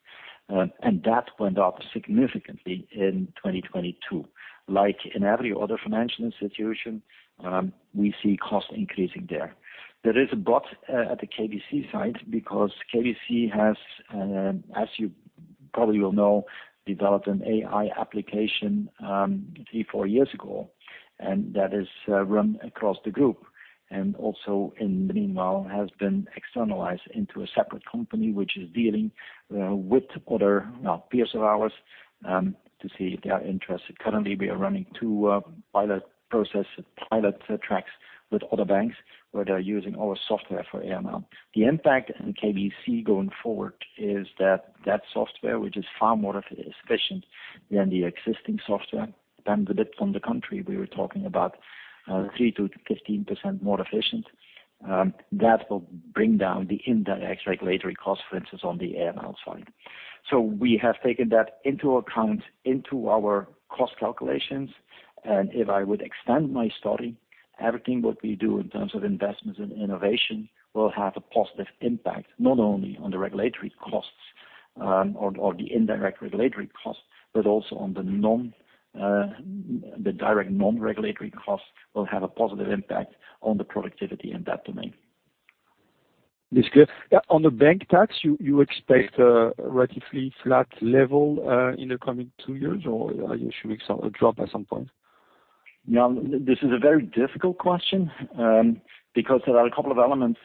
That went up significantly in 2022. Like in every other financial institution, we see costs increasing there. There is a but, at the KBC side, because KBC has, Probably you'll know, developed an AI application, 3, 4 years ago, and that is run across the group and also in the meanwhile has been externalized into a separate company which is dealing with other peers of ours, to see if they are interested. Currently, we are running 2 pilot process, pilot tracks with other banks, where they are using our software for AML. The impact in KBC going forward is that that software, which is far more efficient than the existing software, depends a bit on the country we were talking about, 3%-15% more efficient, that will bring down the indirect regulatory cost, for instance on the AML side. We have taken that into account, into our cost calculations. If I would extend my story, everything what we do in terms of investments in innovation will have a positive impact, not only on the regulatory costs, or the indirect regulatory costs, but also on the non- the direct non-regulatory costs will have a positive impact on the productivity in that domain. That's clear. Yeah, on the bank tax, you expect a relatively flat level in the coming two years, or are you showing some drop at some point? This is a very difficult question because there are a couple of elements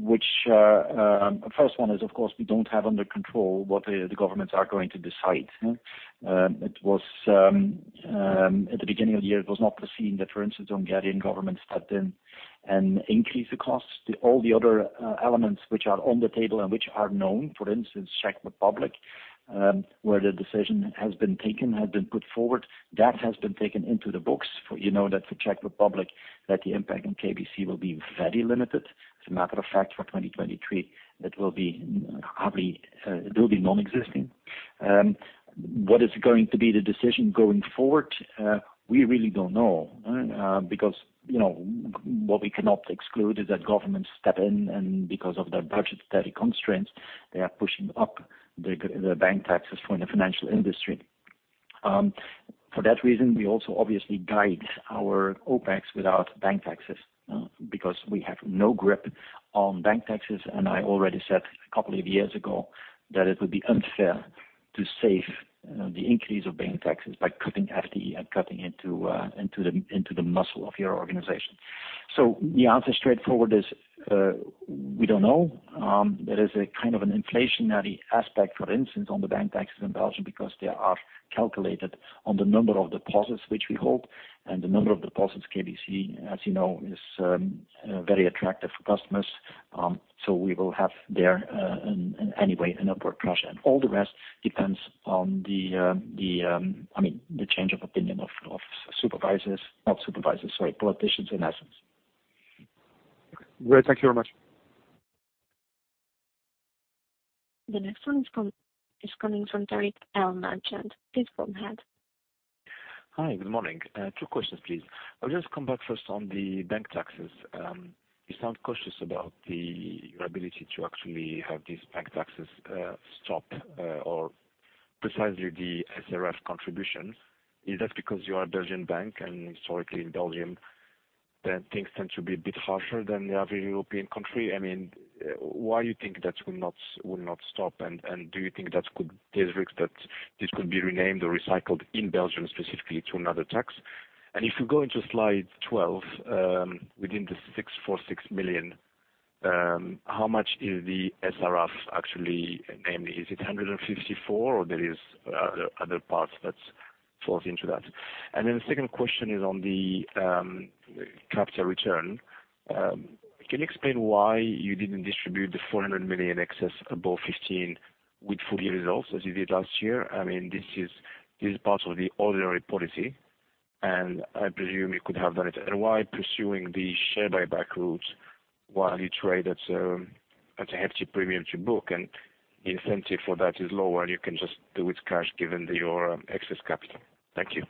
which, first one is, of course, we don't have under control what the governments are going to decide. It was at the beginning of the year, it was not foreseen that, for instance, Hungarian government stepped in and increased the costs. All the other elements which are on the table and which are known, for instance, Czech Republic, where the decision has been taken, has been put forward, that has been taken into the books. For you know that for Czech Republic, that the impact on KBC will be very limited. As a matter of fact, for 2023, it will be hardly, it will be non-existing. What is going to be the decision going forward? We really don't know, because, you know, what we cannot exclude is that governments step in and because of their budget steady constraints, they are pushing up the bank taxes for the financial industry. For that reason, we also obviously guide our OpEx without bank taxes, because we have no grip on bank taxes, and I already said a couple of years ago that it would be unfair to save the increase of bank taxes by cutting FTE and cutting into the muscle of your organization. The answer straightforward is, we don't know. There is a kind of an inflationary aspect, for instance, on the bank taxes in Belgium because they are calculated on the number of deposits which we hold, and the number of deposits KBC, as you know, is very attractive for customers. We will have there anyway an upward pressure. All the rest depends on the, I mean, the change of opinion of supervisors, not supervisors, sorry, politicians in essence. Great. Thank you very much. The next one is coming from Tarik El Mejjad. Please go ahead. Hi, good morning. Two questions, please. I'll just come back first on the bank taxes. You sound cautious about your ability to actually have these bank taxes stopped or precisely the SRF contributions. Is that because you are a Belgian bank and historically in Belgium that things tend to be a bit harsher than the other European country? I mean, why you think that will not stop? Do you think that there's risk that this could be renamed or recycled in Belgium specifically to another tax? If you go into slide 12, within the 646 million, how much is the SRF actually, namely, is it 154 or there is other parts that's falls into that? The second question is on the capital return. Can you explain why you didn't distribute the 400 million excess above 15 with full year results as you did last year? I mean, this is part of the ordinary policy. I presume you could have done it. Why pursuing the share buyback route while you trade at a hefty premium to book and the incentive for that is lower and you can just do with cash given the, your excess capital. Thank you.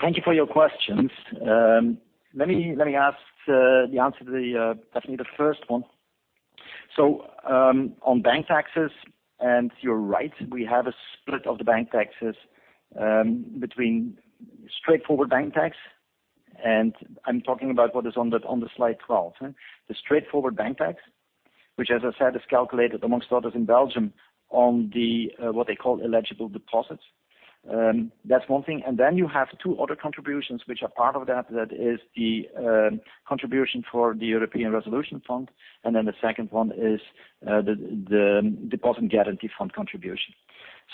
Thank you for your questions. Let me ask the answer to definitely the first one. On bank taxes, and you're right, we have a split of the bank taxes between straightforward bank tax, and I'm talking about what is on the slide 12. The straightforward bank tax, which as I said is calculated amongst others in Belgium on what they call eligible deposits. That's one thing. You have two other contributions which are part of that. That is the contribution for the Single Resolution Fund, and the second one is the Deposit Guarantee Fund contribution.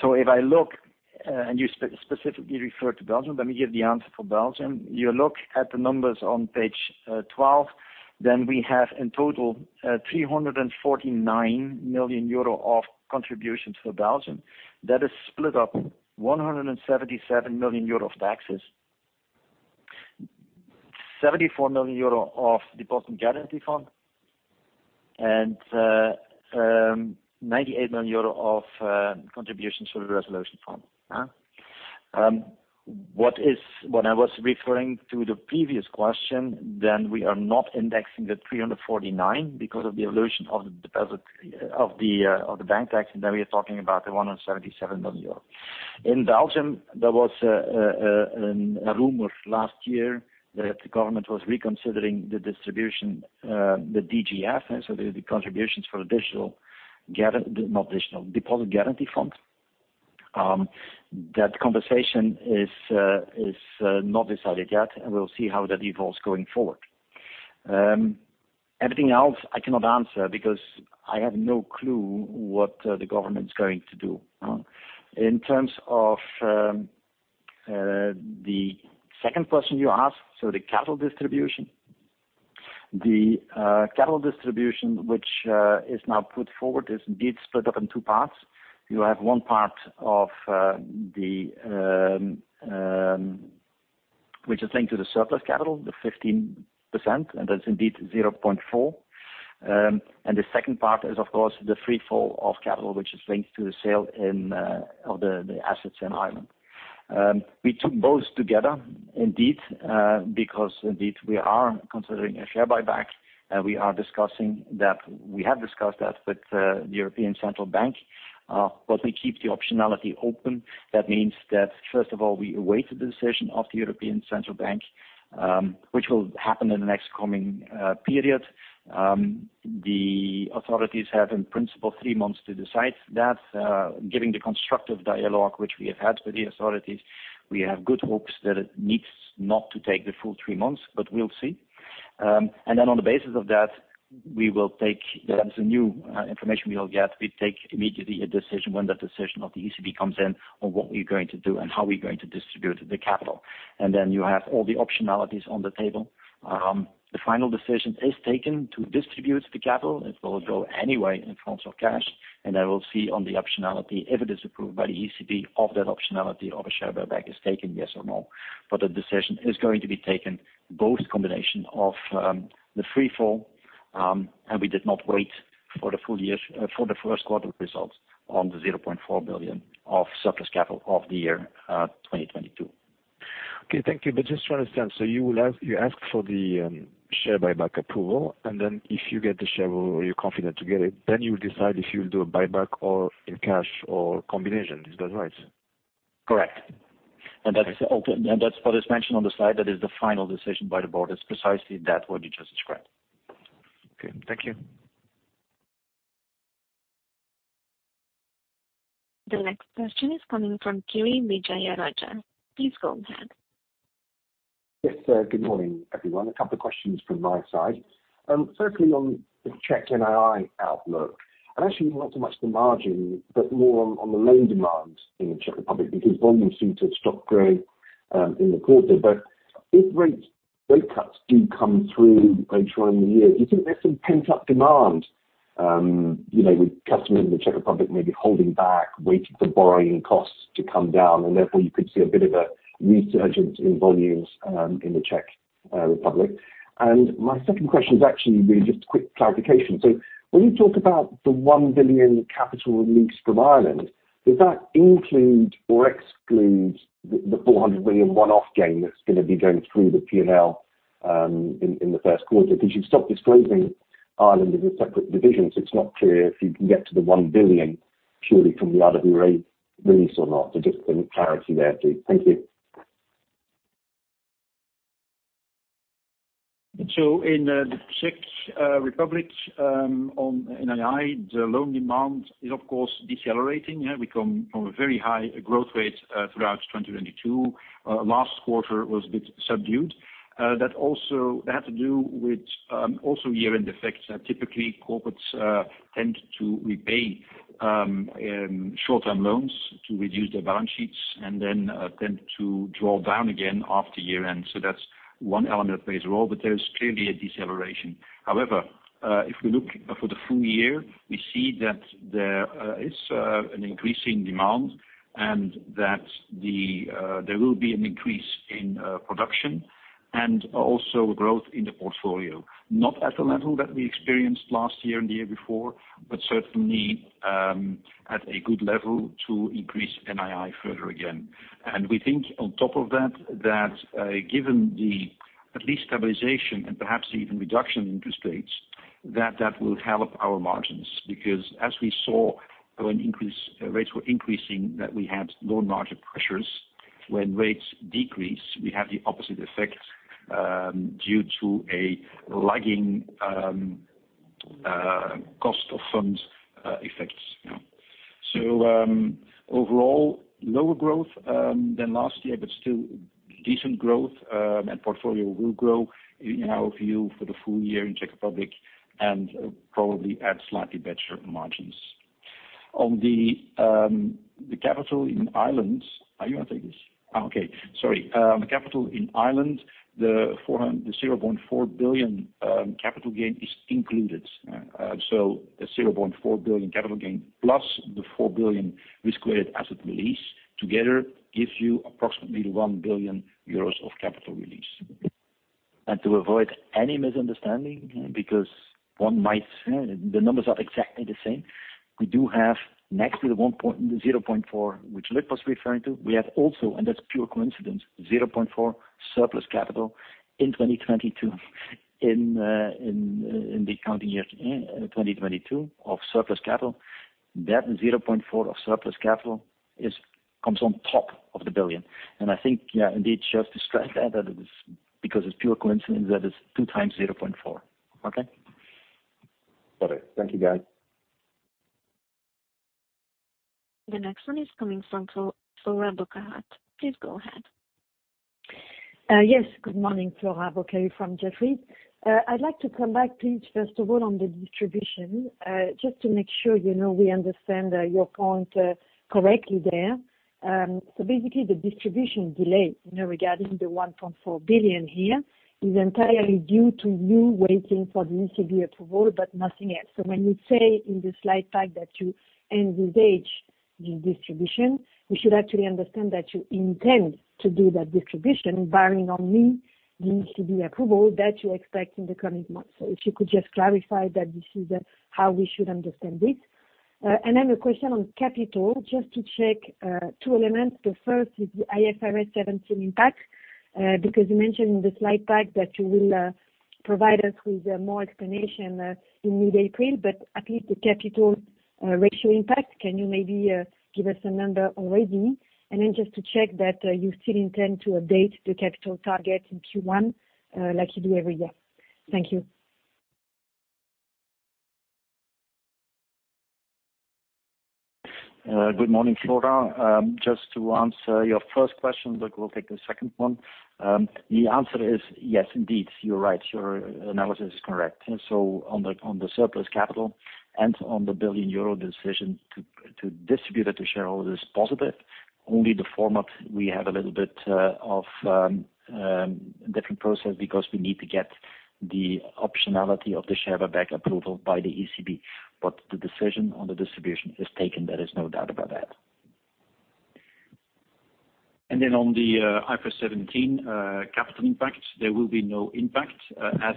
If I look, and you specifically refer to Belgium, let me give the answer for Belgium. You look at the numbers on page 12. We have in total 349 million euro of contributions for Belgium. That is split up 177 million euro of taxes, 74 million of Deposit Guarantee Fund, and 98 million euro of contributions for the Resolution Fund. When I was referring to the previous question, we are not indexing the 349 because of the illusion of the deposit, of the bank tax. We are talking about 177 million euro. In Belgium, there was a rumor last year that the government was reconsidering the distribution, the DGF. The contributions for not additional, Deposit Guarantee Fund. That conversation is not decided yet, and we'll see how that evolves going forward. Everything else I cannot answer because I have no clue what the government's going to do. In terms of the second question you asked, so the capital distribution. The capital distribution which is now put forward is indeed split up in two parts. You have one part of which is linked to the surplus capital, the 15%, and that's indeed 0.4. The second part is, of course, the free fall of capital, which is linked to the sale in of the assets in Ireland. We took both together indeed, because indeed we are considering a share buyback, and we are discussing that. We have discussed that with the European Central Bank, but we keep the optionality open. That means that first of all, we await the decision of the European Central Bank, which will happen in the next coming period. The authorities have in principle three months to decide that, giving the constructive dialogue which we have had with the authorities, we have good hopes that it needs not to take the full three months, but we'll see. On the basis of that we will take, that is the new information we will get. We take immediately a decision when the decision of the ECB comes in on what we're going to do and how we're going to distribute the capital. You have all the optionalities on the table. The final decision is taken to distribute the capital. It will go anyway in forms of cash. I will see on the optionality if it is approved by the ECB of that optionality of a share buyback is taken, yes or no. The decision is going to be taken both combination of the free fall, and we did not wait for the full year for the first quarter results on the EUR zero-point billion of surplus capital of the year 2022. Okay. Thank you. Just to understand, you ask for the share buyback approval, and then if you get the share or you're confident to get it, then you decide if you'll do a buyback or in cash or combination. Is that right? Correct. That is also, and that's what is mentioned on the side. That is the final decision by the Board is precisely that what you just described. Okay. Thank you. The next question is coming from Kiri Vijayarajah. Please go ahead. Yes, good morning, everyone. A couple of questions from my side. Firstly on the Czech NII outlook, and actually not so much the margin, but more on the loan demand in the Czech Republic, because volumes seem to have stopped growing in the quarter. If rate cuts do come through later on in the year, do you think there's some pent up demand, you know, with customers in the Czech Republic maybe holding back, waiting for borrowing costs to come down, and therefore you could see a bit of a resurgence in volumes in the Czech Republic? My second question is actually really just a quick clarification. When you talk about the 1 billion capital release from Ireland, does that include or exclude the 400 million one-off gain that's gonna be going through the P&L in the first quarter? You've stopped disclosing Ireland as a separate division, so it's not clear if you can get to the 1 billion purely from the RWA release or not. Just some clarity there, please. Thank you. In the Czech Republic, on NII, the loan demand is decelerating. We come from a very high growth rate throughout 2022. Last quarter was a bit subdued. That also had to do with year-end effects. Typically corporates tend to repay short-term loans to reduce their balance sheets and then tend to draw down again after year-end. That's one element that plays a role, but there is clearly a deceleration. However, if we look for the full year, we see that there is an increasing demand and that there will be an increase in production and also growth in the portfolio. Not at the level that we experienced last year and the year before, but certainly at a good level to increase NII further again. We think on top of that given the at least stabilization and perhaps even reduction in interest rates, that will help our margins. As we saw when rates were increasing that we had low margin pressures. When rates decrease, we have the opposite effect due to a lagging cost of funds effects. Overall lower growth than last year, but still decent growth, and portfolio will grow in our view for the full year in Czech Republic and probably at slightly better margins. On the capital in Ireland. Are you gonna take this? Oh, okay, sorry. The capital in Ireland, the 0.4 billion capital gain is included. The 0.4 billion capital gain plus the 4 billion risk-weighted asset release together gives you approximately 1 billion euros of capital release. To avoid any misunderstanding, because one might, the numbers are exactly the same. We do have next to the 0.4 which Luc was referring to, we have also, and that's pure coincidence, 0.4 surplus capital in 2022. In the accounting year 2022 of surplus capital, that 0.4 of surplus capital is, comes on top of the 1 billion. I think, yeah, indeed, just to stress that it is because it's pure coincidence that it's 2x, 0.4. Okay? Got it. Thank you, guys. The next one is coming from Flora Bocahut. Please go ahead. Yes. Good morning, Flora Bocahut from Jefferies. I'd like to come back, please, first of all, on the distribution, just to make sure, you know, we understand, your point, correctly there. Basically the distribution delay, you know, regarding the 1.4 billion here is entirely due to you waiting for the ECB approval, but nothing else. When you say in the slide pack that you envisage the distribution, we should actually understand that you intend to do that distribution barring on the ECB approval that you expect in the coming months. If you could just clarify that this is, how we should understand it. A question on capital, just to check, two elements. The first is the IFRS 17 impact, because you mentioned in the slide pack that you will provide us with more explanation in mid-April, but at least the capital ratio impact, can you maybe give us a number already? Just to check that you still intend to update the capital target in Q1, like you do every year. Thank you. Good morning, Flora. Just to answer your first question, Luc will take the second one. The answer is yes, indeed. You're right. Your analysis is correct. On the surplus capital and on the 1 billion euro decision to distribute it to shareholders is positive. Only the format we have a little bit of different process because we need to get the optionality of the share buyback approval by the ECB. The decision on the distribution is taken. There is no doubt about that. On the IFRS 17 capital impact, there will be no impact as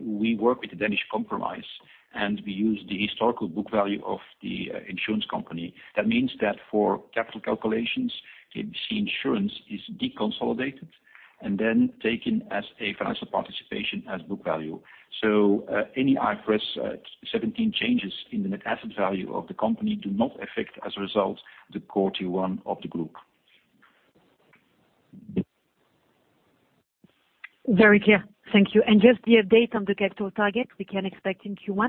we work with the Danish Compromise, and we use the historical book value of the insurance company. That means that for capital calculations, the insurance is deconsolidated and then taken as a financial participation as book value. Any IFRS 17 changes in the net asset value of the company do not affect, as a result, the core Tier 1 of the group. Very clear. Thank you. Just the update on the capital target we can expect in Q1?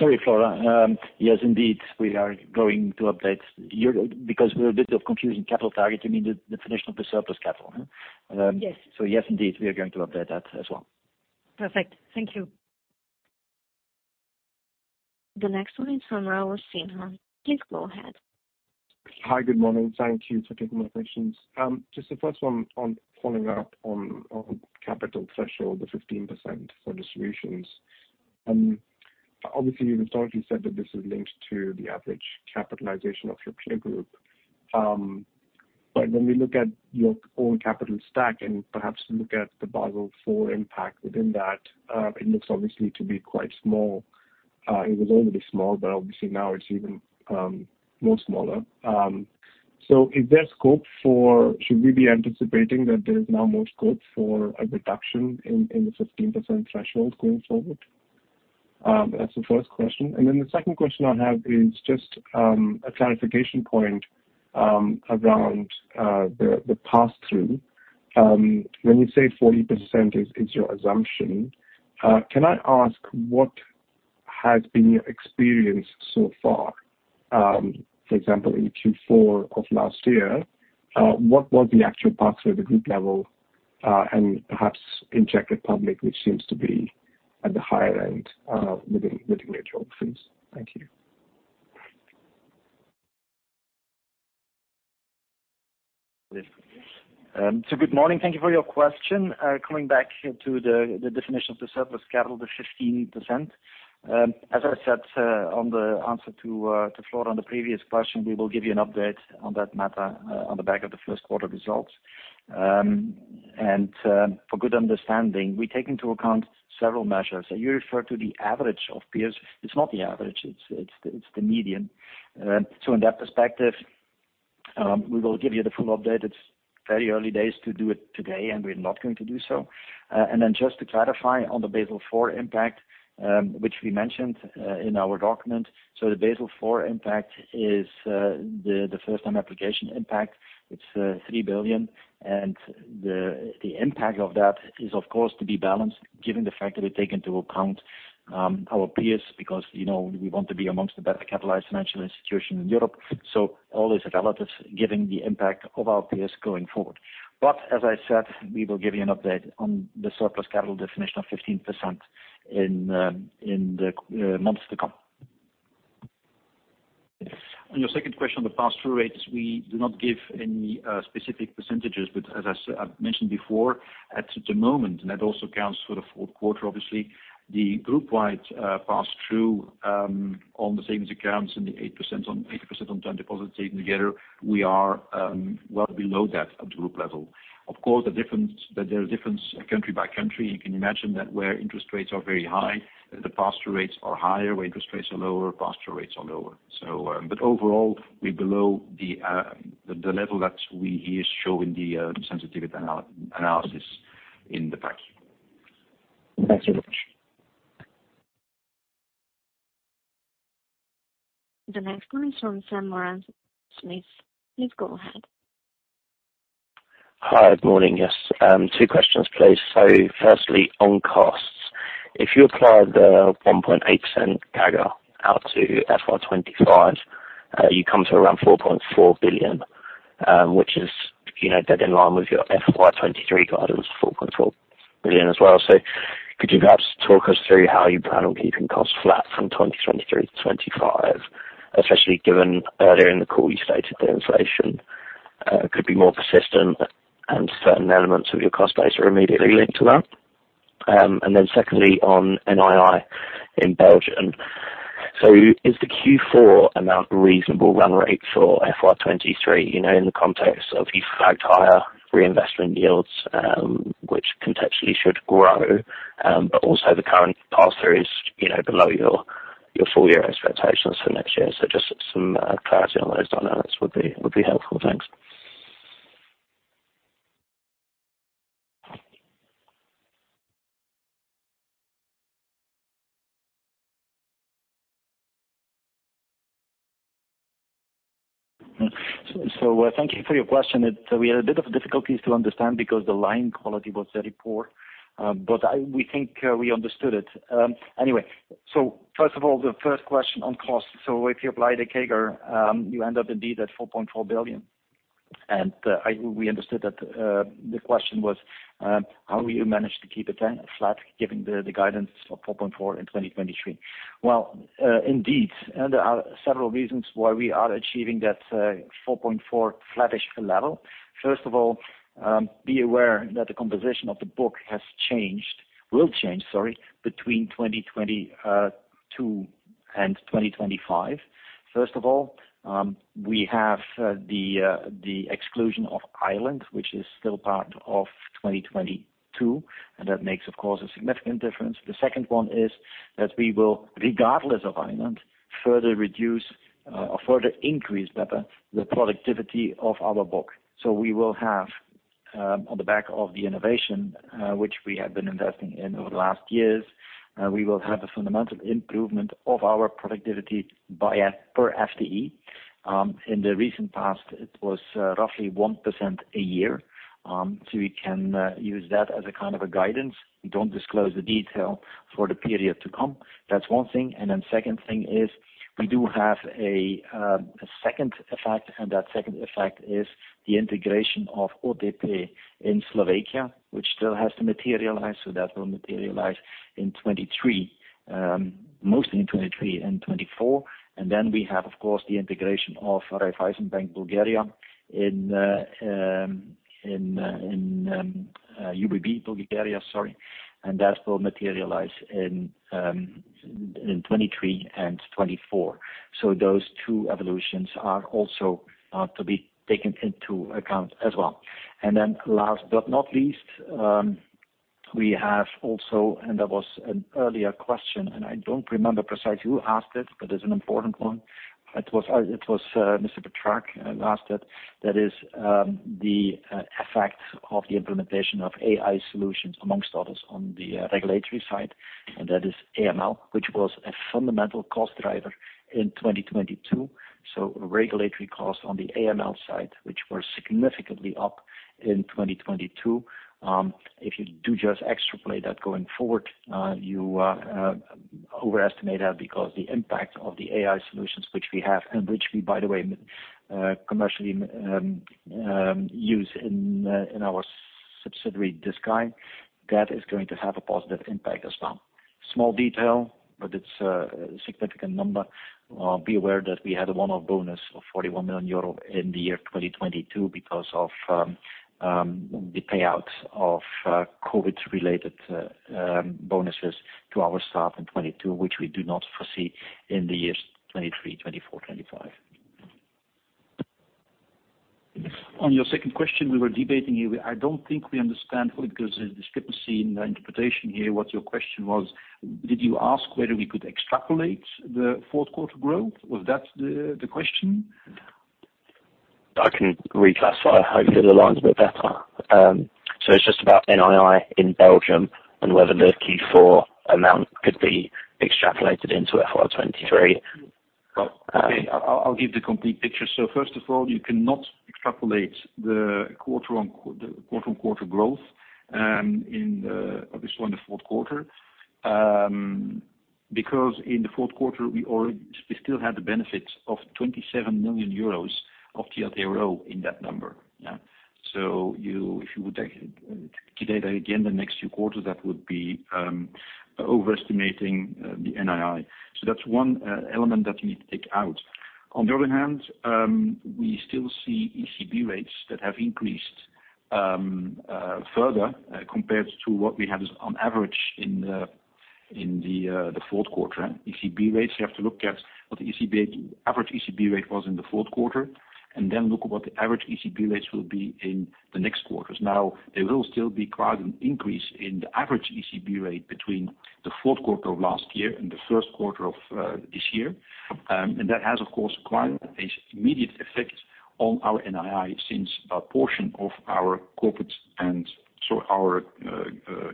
Sorry, Flora. Yes, indeed. We are going to update. Because we're a bit of confusing capital target, you mean the definition of the surplus capital? Yes. Yes, indeed, we are going to update that as well. Perfect. Thank you. The next one is from Raul Sinha. Please go ahead. Hi. Good morning. Thank you for taking my questions. Just the first one on following up on capital threshold, the 15% for distributions. Obviously you've already said that this is linked to the average capitalization of your peer group. But when we look at your own capital stack and perhaps look at the Basel IV impact within that, it looks obviously to be quite small. It was already small, but obviously now it's even more smaller. So should we be anticipating that there is now more scope for a reduction in the 15% threshold going forward? That's the first question. The second question I have is just a clarification point around the pass-through? When you say 40% is your assumption, can I ask what has been your experience so far? For example, in Q4 of last year, what was the actual pass-through at the group level, and perhaps in Czech Republic, which seems to be at the higher end, within your trophies. Thank you. Good morning. Thank you for your question. Coming back to the definition of the surplus capital, the 15%, as I said, on the answer to Flora on the previous question, we will give you an update on that matter on the back of the first quarter results. For good understanding, we take into account several measures. You refer to the average of peers. It's not the average, it's the median. In that perspective, we will give you the full update. It's very early days to do it today, and we're not going to do so. Just to clarify on the Basel IV impact, which we mentioned in our document, the Basel IV impact is the first time application impact. It's 3 billion. The impact of that is of course to be balanced given the fact that we take into account our peers because, you know, we want to be amongst the better capitalized financial institution in Europe. All is relatives given the impact of our peers going forward. As I said, we will give you an update on the surplus capital definition of 15% in the months to come. On your second question, the pass-through rates, we do not give any specific percentages, but as I've mentioned before, at the moment, and that also counts for the fourth quarter, obviously, the group-wide pass-through on the savings accounts and the 8% on term deposits taken together, we are well below that at the group level. Of course, the difference, but there are difference country by country. You can imagine that where interest rates are very high, the pass-through rates are higher. Where interest rates are lower, pass-through rates are lower. But overall, we're below the level that we, he is showing the sensitivity analysis in the package. Thank you. The next one is from Sam Moran-Smyth. Please go ahead. Hi. Good morning. Yes, two questions, please. Firstly, on costs, if you apply the 1.8% CAGR out to FY 2025, you come to around 4.4 billion, which is, you know, dead in line with your FY 2023 guidance, 4.4 billion as well. Could you perhaps talk us through how you plan on keeping costs flat from 2023 to 2025, especially given earlier in the call you stated the inflation could be more persistent and certain elements of your cost base are immediately linked to that. Secondly, on NII in Belgium. Is the Q4 amount reasonable run rate for FY 2023 in the context of you've tagged higher reinvestment yields, which conceptually should grow, but also the current passer is below your full year expectations for next year. Just some clarity on those dynamics would be helpful. Thanks. So thank you for your question. We had a bit of difficulties to understand because the line quality was very poor, but we think we understood it. Anyway, first of all, the first question on cost. If you apply the CAGR, you end up indeed at 4.4 billion. We understood that the question was, how will you manage to keep it flat given the guidance of 4.4 in 2023? Well, indeed, there are several reasons why we are achieving that 4.4 flattish level. First of all, be aware that the composition of the book has changed. Will change, sorry, between 2022 and 2025. First of all, we have the exclusion of Ireland, which is still part of 2022. That makes of course a significant difference. The second one is that we will, regardless of Ireland, further reduce or further increase rather the productivity of our book. We will have on the back of the innovation, which we have been investing in over the last years, we will have a fundamental improvement of our productivity by per FTE. In the recent past, it was roughly 1% a year. We can use that as a kind of a guidance. We don't disclose the detail for the period to come. That's one thing. Second thing is we do have a second effect, and that second effect is the integration of OTP in Slovakia, which still has to materialize. That will materialize in 2023, mostly in 2023 and 2024. We have of course the integration of Raiffeisenbank Bulgaria in UBB Bulgaria, sorry, and that will materialize in 2023 and 2024. Those two evolutions are also to be taken into account as well. Last but not least, we have also. There was an earlier question, and I don't remember precisely who asked it, but it's an important one. It was Mr. Pétrarque who asked it. That is the effect of the implementation of AI solutions amongst others on the regulatory side, and that is AML, which was a fundamental cost driver in 2022. Regulatory costs on the AML side, which were significantly up in 2022, if you do just extrapolate that going forward, you overestimate that because the impact of the AI solutions which we have and which we, by the way, commercially use in our subsidiary Discai, that is going to have a positive impact as well. Small detail, but it's a significant number. Be aware that we had a one-off bonus of 41 million euro in the year 2022 because of the payouts of COVID-related bonuses to our staff in 2022, which we do not foresee in the years 2023, 2024, 2025. Your second question, we were debating here. I don't think we understand because there's discrepancy in the interpretation here, what your question was. Did you ask whether we could extrapolate the fourth quarter growth? Was that the question? I can reclassify. Hopefully, the line's a bit better. It's just about NII in Belgium and whether the Q4 amount could be extrapolated into FY 2023. Okay. I'll give the complete picture. First of all, you cannot extrapolate the quarter on quarter growth in at least on the fourth quarter, because in the fourth quarter we still had the benefit of 27 million euros of TLTRO in that number. Yeah. You, if you would take it today again, the next few quarters, that would be overestimating the NII. That's one element that you need to take out. On the other hand, we still see ECB rates that have increased further compared to what we had as on average in the fourth quarter. ECB rates, you have to look at what the ECB, average ECB rate was in the fourth quarter, and then look at what the average ECB rates will be in the next quarters. There will still be quite an increase in the average ECB rate between the fourth quarter of last year and the first quarter of this year. That has of course quite an immediate effect on our NII, since a portion of our corporate and so our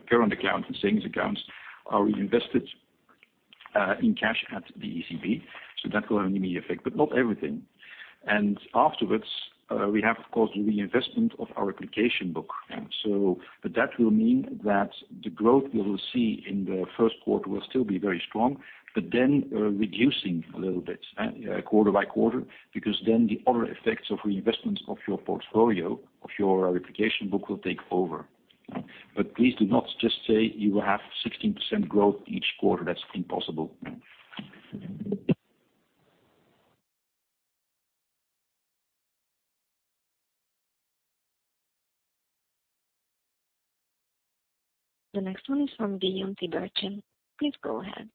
current account and savings accounts are reinvested in cash at the ECB. That will have an immediate effect, but not everything. Afterwards, we have, of course, the reinvestment of our application book. That will mean that the growth we will see in the first quarter will still be very strong, but then, reducing a little bit, quarter by quarter, because then the other effects of reinvestments of your portfolio, of your application book will take over. Please do not just say you will have 16% growth each quarter. That's impossible. The next one is from Guillaume Tiberghien. Please go ahead.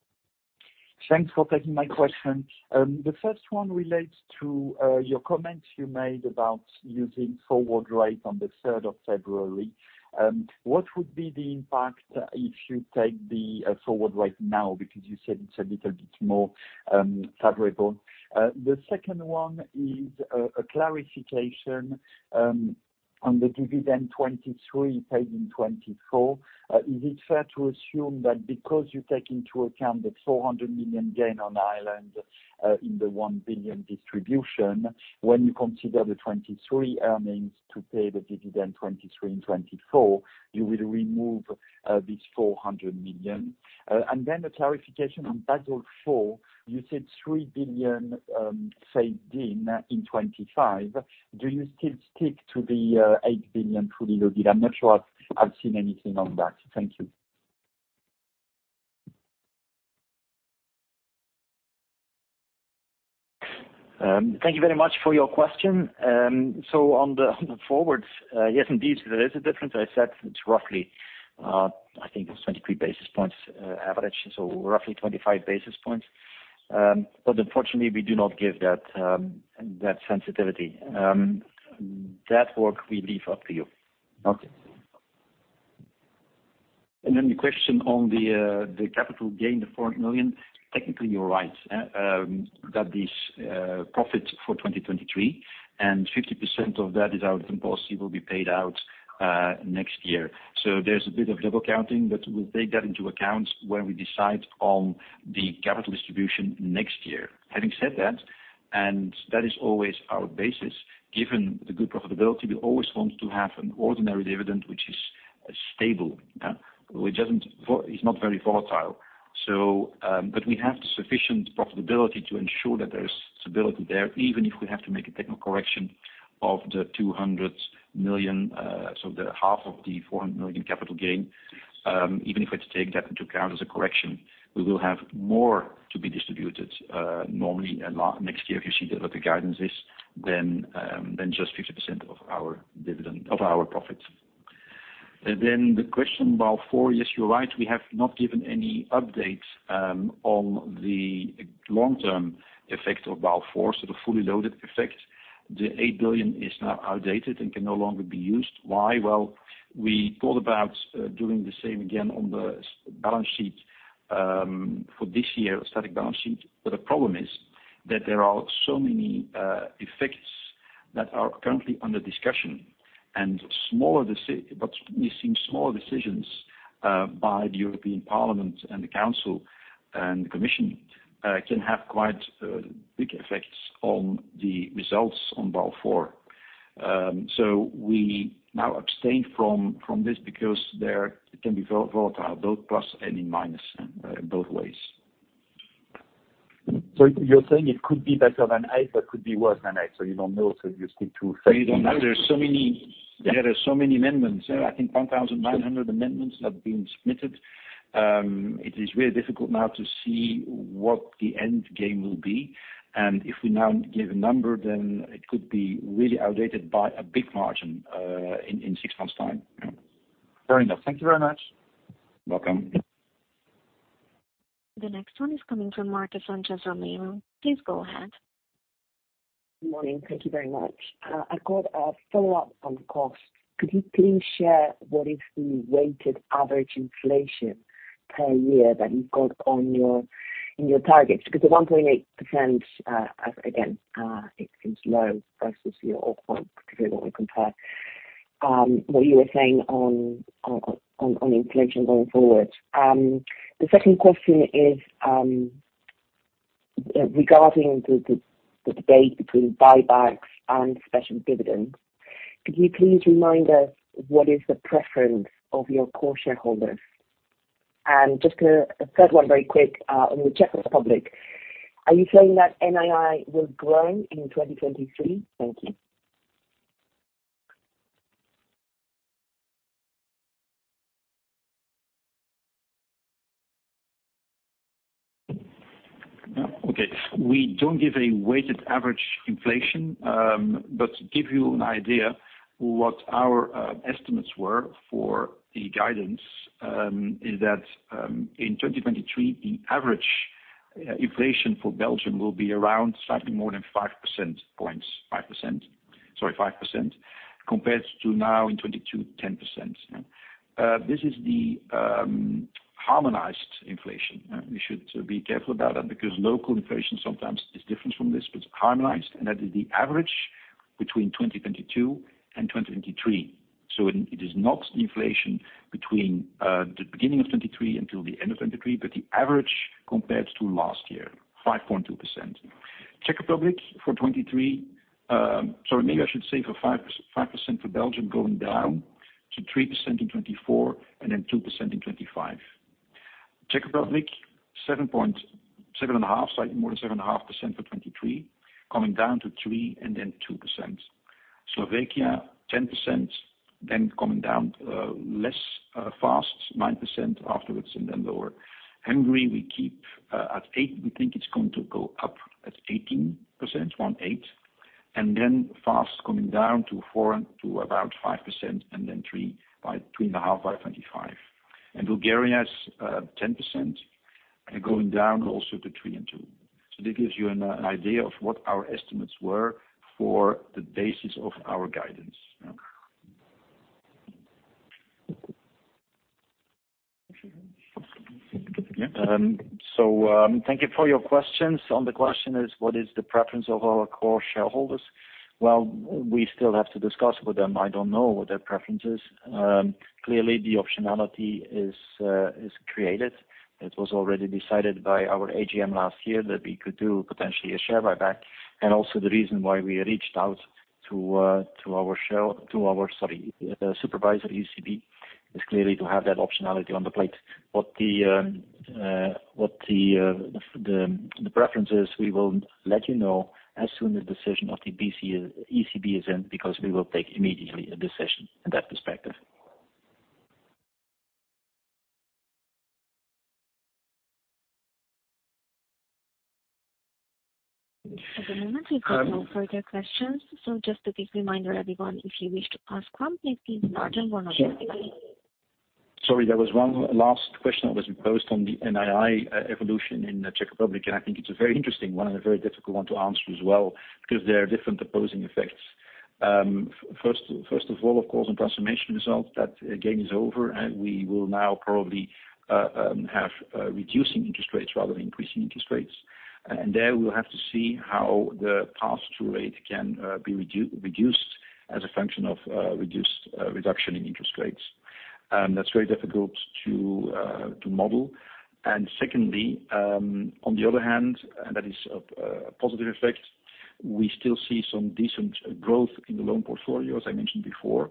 Thanks for taking my question. The first one relates to your comments you made about using forward rate on the 3rd of February. What would be the impact if you take the forward rate now because you said it's a little bit more favorable. The second one is a clarification on the dividend 2023 paid in 2024. Is it fair to assume that because you take into account the 400 million gain on Ireland in the 1 billion distribution, when you consider the 2023 earnings to pay the dividend 2023 and 2024, you will remove this 400 million? A clarification on Basel IV, you said 3 billion saved in 2025. Do you still stick to the 8 billion fully loaded? I'm not sure I've seen anything on that. Thank you. Thank you very much for your question. On the, on the forwards, yes, indeed, there is a difference. I said it's roughly, I think it was 23 basis points average, so roughly 25 basis points. Unfortunately, we do not give that sensitivity. That work we leave up to you. Okay? Then the question on the capital gain, the 400 million, technically, you're right, that is profit for 2023, and 50% of that is our policy will be paid out next year. There's a bit of double counting, but we'll take that into account when we decide on the capital distribution next year. Having said that, and that is always our basis, given the good profitability, we always want to have an ordinary dividend, which is stable, which doesn't. It's not very volatile. But we have sufficient profitability to ensure that there is stability there, even if we have to make a technical correction of the 200 million, so the half of the 400 million capital gain, even if we had to take that into account as a correction, we will have more to be distributed, normally a lot next year if you see the, what the guidance is than just 50% of our dividend, of our profits. The question Basel IV, yes, you're right. We have not given any updates, on the long-term effect of Basel IV, so the fully loaded effect. The 8 billion is now outdated and can no longer be used. Why? Well, we thought about doing the same again on the balance sheet for this year, static balance sheet, but the problem is that there are so many effects that are currently under discussion and smaller decisions. We've seen small decisions by the European Parliament and the Council and the Commission can have quite big effects on the results on Basel IV. We now abstain from this because there it can be volatile, both plus and in minus, both ways. You're saying it could be better than eight, but could be worse than eight, so you don't know, so you stick to... We don't know. There are so many amendments. I think 1,900 amendments have been submitted. It is really difficult now to see what the end game will be. If we now give a number, it could be really outdated by a big margin in six months' time. Fair enough. Thank you very much. Welcome. The next one is coming from Marta Sánchez Romero. Please go ahead. Good morning. Thank you very much. I got a follow-up on costs. Could you please share what is the weighted average inflation per year that you've got on your, in your targets? Because the 1.8%, again, it seems low versus your old one, particularly when we compare what you were saying on inflation going forward. The second question is regarding the debate between buybacks and special dividends. Could you please remind us what is the preference of your core shareholders? Just a third one very quick on the Czech Republic. Are you saying that NII will grow in 2023? Thank you. Okay. We don't give a weighted average inflation, but to give you an idea what our estimates were for the guidance, is that in 2023, the average inflation for Belgium will be around slightly more than 5 percentage points, 5%, sorry, 5%. Compared to now in 2022, 10%. This is the harmonized inflation. We should be careful about that because local inflation sometimes is different from this, but it's harmonized, and that is the average between 2022 and 2023. It is not inflation between the beginning of 2023 until the end of 2023, but the average compared to last year, 5.2%. Czech Republic for 2023. Sorry, maybe I should say for 5% for Belgium, going down to 3% in 2024 and then 2% in 2025. Czech Republic, 7.5, slightly more than 7.5% for 2023, coming down to 3% and then 2%. Slovakia, 10%, coming down less fast, 9% afterwards and then lower. Hungary, we keep at 8. We think it's going to go up at 18%, 18, and then fast coming down to 4%, to about 5% and then 3% by 3.5 by 2025. Bulgaria's 10% and going down also to 3% and 2%. That gives you an idea of what our estimates were for the basis of our guidance. Thank you for your questions. On the question is what is the preference of our core shareholders? Well, we still have to discuss with them. I don't know what their preference is. Clearly the optionality is created. It was already decided by our AGM last year that we could do potentially a share buyback. Also the reason why we reached out to our, sorry, the supervisor ECB, is clearly to have that optionality on the plate. What the preference is, we will let you know as soon as the decision of the BC, ECB is in, because we will take immediately a decision in that perspective. At the moment we've got no further questions. Just a quick reminder everyone, if you wish to ask one, please do so. Sorry, there was one last question that was posed on the NII evolution in the Czech Republic. I think it's a very interesting one and a very difficult one to answer as well, because there are different opposing effects. First of all, of course, on transformation results, that game is over and we will now probably have reducing interest rates rather than increasing interest rates. There we'll have to see how the pass-through rate can be reduced as a function of reduced reduction in interest rates. That's very difficult to model. Secondly, on the other hand, and that is a positive effect, we still see some decent growth in the loan portfolio, as I mentioned before,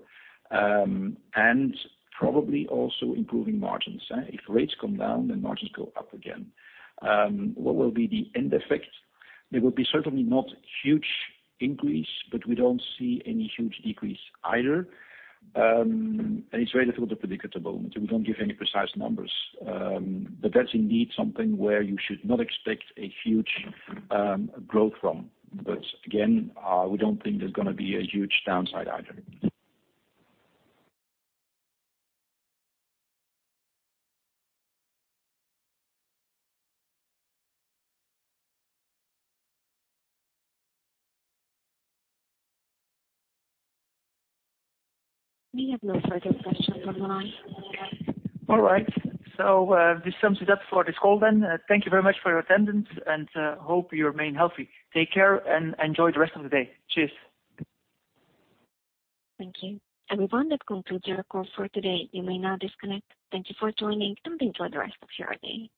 and probably also improving margins. If rates come down, then margins go up again. What will be the end effect? There will be certainly not huge increase, but we don't see any huge decrease either. It's very little predictable. We don't give any precise numbers. That's indeed something where you should not expect a huge growth from. Again, we don't think there's gonna be a huge downside either. We have no further questions at the moment. All right. This sums it up for this call then. Thank you very much for your attendance, hope you remain healthy. Take care and enjoy the rest of the day. Cheers. Thank you. Everyone, that concludes your call for today. You may now disconnect. Thank you for joining, and enjoy the rest of your day.